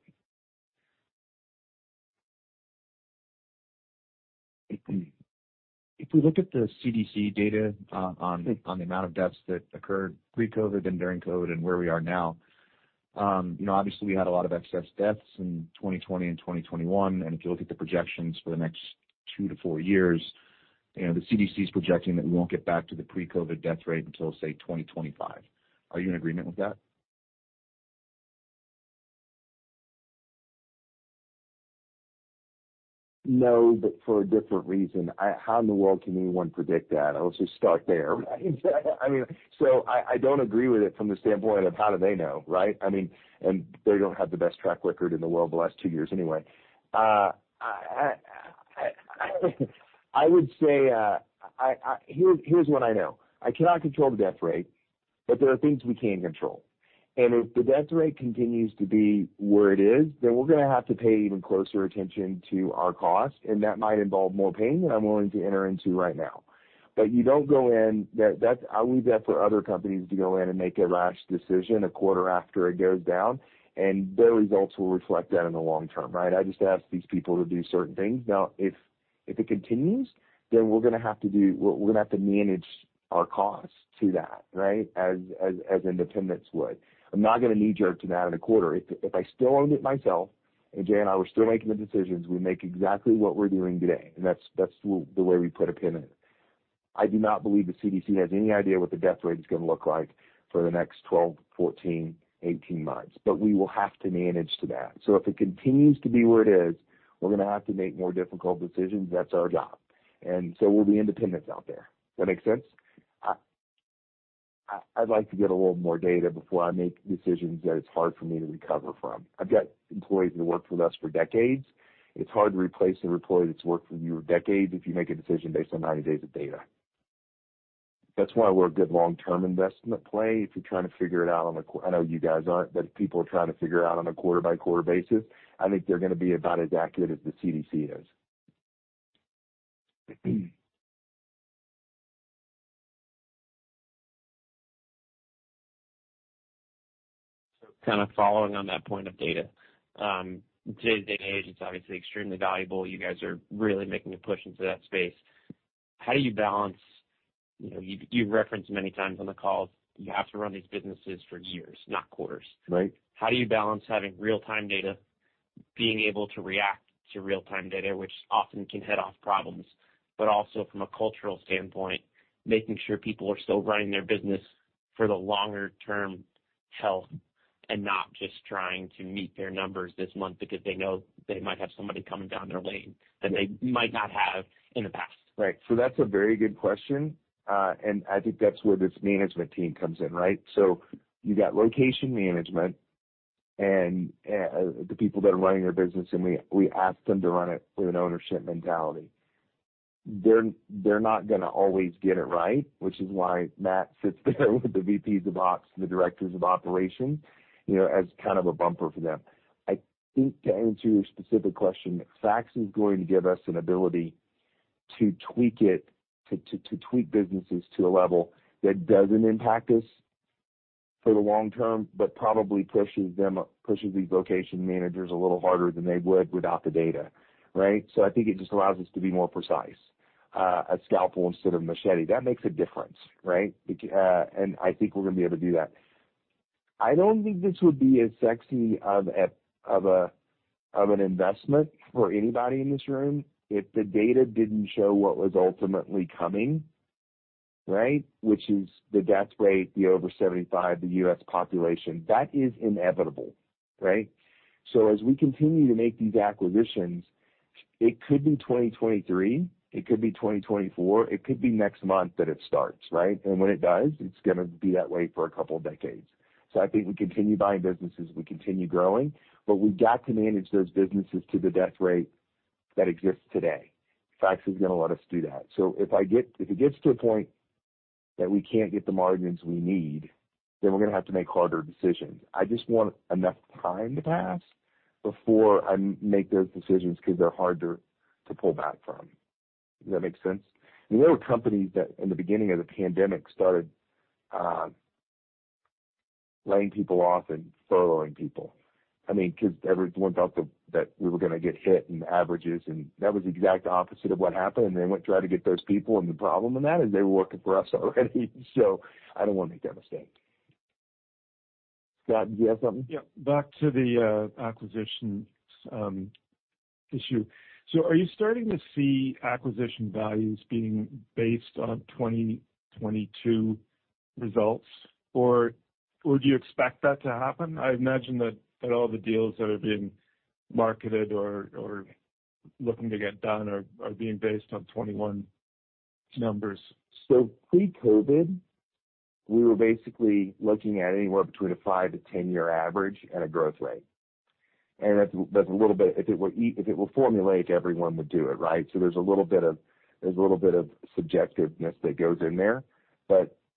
If we look at the CDC data on the amount of deaths that occurred pre-COVID and during COVID and where we are now, obviously, we had a lot of excess deaths in 2020 and 2021. If you look at the projections for the next 2-4 years, the CDC is projecting that we won't get back to the pre-COVID death rate until, say, 2025. Are you in agreement with that? No, but for a different reason. How in the world can anyone predict that? I'll just start there. I mean, I don't agree with it from the standpoint of how do they know, right? I mean, they don't have the best track record in the world the last two years anyway. I would say, here's what I know. I cannot control the death rate, but there are things we can control. If the death rate continues to be where it is, then we're going to have to pay even closer attention to our cost, and that might involve more pain than I'm willing to enter into right now. You don't go in. I'll leave that for other companies to go in and make a rash decision a quarter after it goes down, and their results will reflect that in the long term, right? I just ask these people to do certain things. Now, if it continues, then we're gonna have to manage our costs to that, right? As independents would. I'm not gonna knee-jerk to that in a quarter. If I still owned it myself and Jay and I were still making the decisions, we make exactly what we're doing today, and that's the way we put a pin in it. I do not believe the CDC has any idea what the death rate is gonna look like for the next 12, 14, 18 months, but we will have to manage to that. If it continues to be where it is, we're gonna have to make more difficult decisions. That's our job. We'll be independents out there. That make sense? I'd like to get a little more data before I make decisions that it's hard for me to recover from. I've got employees that worked with us for decades. It's hard to replace an employee that's worked for you decades if you make a decision based on 90 days of data. That's why we're a good long-term investment play. If you're trying to figure it out, I know you guys aren't, but if people are trying to figure out on a quarter-by-quarter basis, I think they're going to be about as accurate as the CDC is. Kind of following on that point of data, day-to-day is obviously extremely valuable. You guys are really making a push into that space. How do you balance. You know, you've referenced many times on the call, you have to run these businesses for years, not quarters. Right. How do you balance having real-time data, being able to react to real-time data, which often can head off problems, but also from a cultural standpoint, making sure people are still running their business for the longer-term health and not just trying to meet their numbers this month because they know they might have somebody coming down their lane that they might not have in the past? Right. That's a very good question. I think that's where this management team comes in, right? You got location management and the people that are running their business, and we ask them to run it with an ownership mentality. They're not gonna always get it right, which is why Matt sits there with the VPs of Ops and the directors of operations, you know, as kind of a bumper for them. I think to answer your specific question, FaCTS is going to give us an ability to tweak it, to tweak businesses to a level that doesn't impact us for the long term, but probably pushes them, pushes these location managers a little harder than they would without the data, right? I think it just allows us to be more precise, a scalpel instead of machete. That makes a difference, right? I think we're gonna be able to do that. I don't think this would be as sexy of an investment for anybody in this room if the data didn't show what was ultimately coming, right? Which is the death rate, the over 75, the US population. That is inevitable, right? As we continue to make these acquisitions, it could be 2023, it could be 2024, it could be next month that it starts, right? When it does, it's gonna be that way for a couple of decades. I think we continue buying businesses, we continue growing, but we've got to manage those businesses to the death rate that exists today. FaCTS is gonna let us do that. If it gets to a point that we can't get the margins we need, then we're gonna have to make harder decisions. I just want enough time to pass before I make those decisions because they're harder to pull back from. Does that make sense? There were companies that in the beginning of the pandemic started laying people off and furloughing people. I mean, because everyone thought that we were gonna get hit in the averages, and that was the exact opposite of what happened, and they went and tried to get those people, and the problem with that is they were working for us already. I don't wanna make that mistake. Scott, did you have something? Yeah. Back to the acquisitions issue. Are you starting to see acquisition values being based on 2022 results, or would you expect that to happen? I imagine that all the deals that are being marketed or looking to get done are being based on 2021 numbers. pre-COVID, we were basically looking at anywhere between a 5- to 10-year average at a growth rate. That's a little bit. If it were formulaic, everyone would do it, right? There's a little bit of subjectivity that goes in there.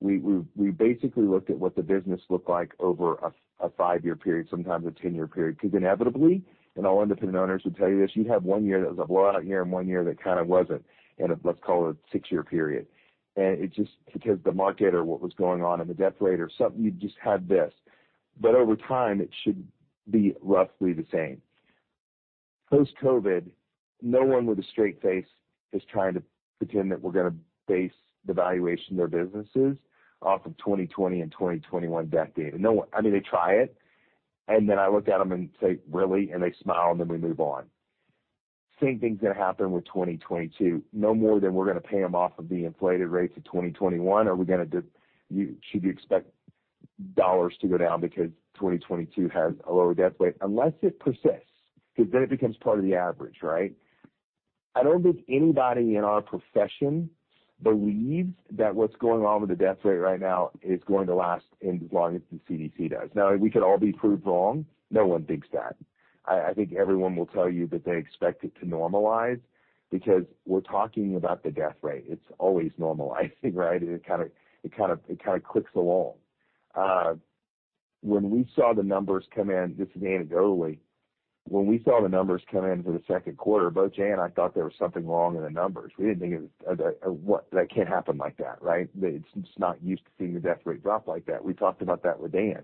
We basically looked at what the business looked like over a 5-year period, sometimes a 10-year period, because inevitably, all independent owners would tell you this, you'd have one year that was a blowout year and one year that kinda wasn't in a, let's call it a 6-year period. It just because the market or what was going on, and the death rate or something, you'd just have this. Over time, it should be roughly the same. Post-COVID, no one with a straight face is trying to pretend that we're gonna base the valuation of their businesses off of 2020 and 2021 death data. No one. I mean, they try it, and then I look at them and say, "Really?" They smile, and then we move on. Same thing's gonna happen with 2022. No more than we're gonna pay them off of the inflated rates of 2021 are we gonna should you expect dollars to go down because 2022 has a lower death rate, unless it persists, because then it becomes part of the average, right? I don't think anybody in our profession believes that what's going on with the death rate right now is going to last as long as the CDC does. Now, we could all be proved wrong. No one thinks that. I think everyone will tell you that they expect it to normalize because we're talking about the death rate. It's always normalizing, right? It kind of clicks along. When we saw the numbers come in for the second quarter, both Jay and I thought there was something wrong in the numbers. We didn't think it was. What? That can't happen like that, right? It's just not used to seeing the death rate drop like that. We talked about that with Dan.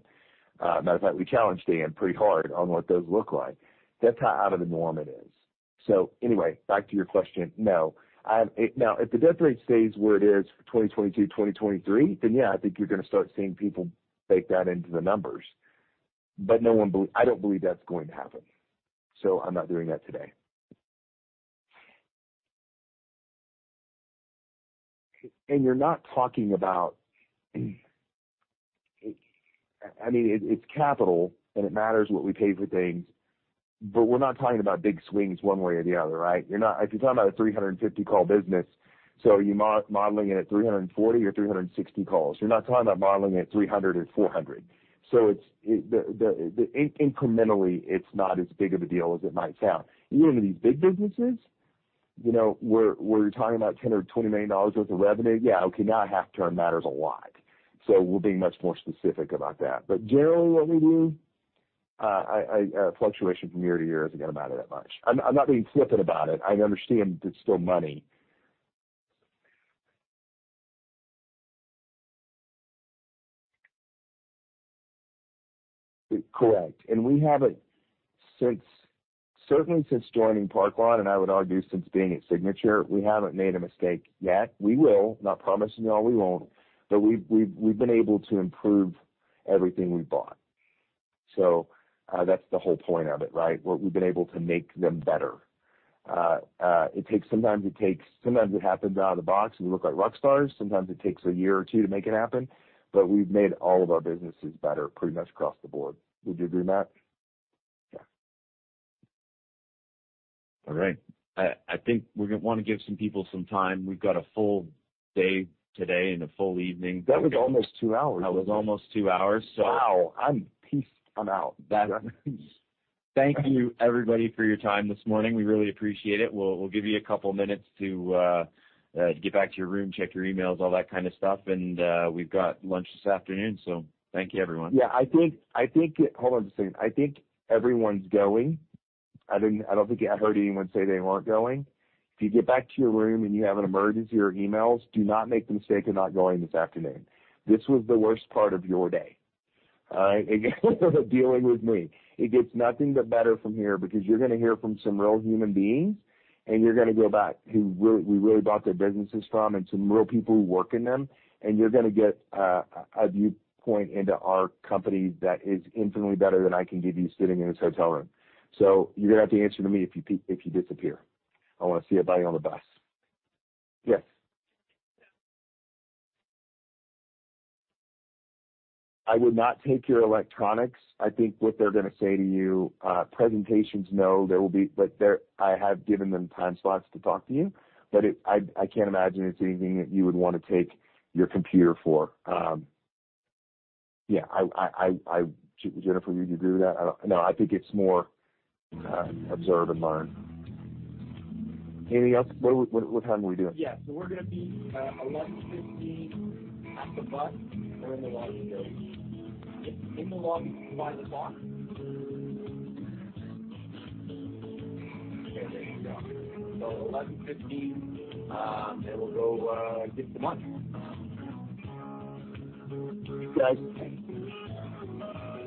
Matter of fact, we challenged Dan pretty hard on what those look like. That's how out of the norm it is. Anyway, back to your question. No. Now, if the death rate stays where it is for 2022, 2023, then yeah, I think you're gonna start seeing people bake that into the numbers. I don't believe that's going to happen, so I'm not doing that today. You're not talking about, I mean, it's capital, and it matters what we pay for things, but we're not talking about big swings one way or the other, right? If you're talking about a 350 call business, so you're modeling it at 340 or 360 calls. You're not talking about modeling it at 300 or 400. Incrementally, it's not as big of a deal as it might sound. Even in these big businesses, where you're talking about $10-$20 million worth of revenue, yeah, okay, now a half percent matters a lot, so we're being much more specific about that. Generally what we do, fluctuation from year to year isn't gonna matter that much. I'm not being flippant about it. I understand it's still money. Correct. Certainly since joining Park Lawn, and I would argue since being at Signature, we haven't made a mistake yet. We will. Not promising y'all we won't, but we've been able to improve everything we've bought. That's the whole point of it, right? What we've been able to make them better. Sometimes it happens out of the box and we look like rock stars. Sometimes it takes a year or two to make it happen. We've made all of our businesses better pretty much across the board. Would you agree, Matt? Yeah. All right. I think we're gonna wanna give some people some time. We've got a full day today and a full evening. That was almost two hours. That was almost two hours. Wow, I'm peaced. I'm out. Thank you everybody for your time this morning. We really appreciate it. We'll give you a couple minutes to get back to your room, check your emails, all that kind of stuff. We've got lunch this afternoon, so thank you, everyone. Yeah, I think. Hold on just a second. I think everyone's going. I don't think I heard anyone say they weren't going. If you get back to your room and you have an emergency or emails, do not make the mistake of not going this afternoon. This was the worst part of your day, all right. Dealing with me. It gets nothing but better from here because you're gonna hear from some real human beings, and you're gonna go back who we really bought their businesses from and some real people who work in them, and you're gonna get a viewpoint into our company that is infinitely better than I can give you sitting in this hotel room. You're gonna have to answer to me if you disappear. I wanna see everybody on the bus. Yes. I would not take your electronics. I think what they're gonna say to you. Presentations? No, there will be. I have given them time slots to talk to you. I can't imagine it's anything that you would wanna take your computer for. Yeah, Jennifer, you'd agree with that? No, I think it's more, observe and learn. Anything else? What time are we doing? Yeah. We're gonna be 11:50 at the bus or in the lobby. In the lobby by the clock. Okay, there you go. Eleven fifty, and we'll go get some lunch. Thank you, guys. Thank you.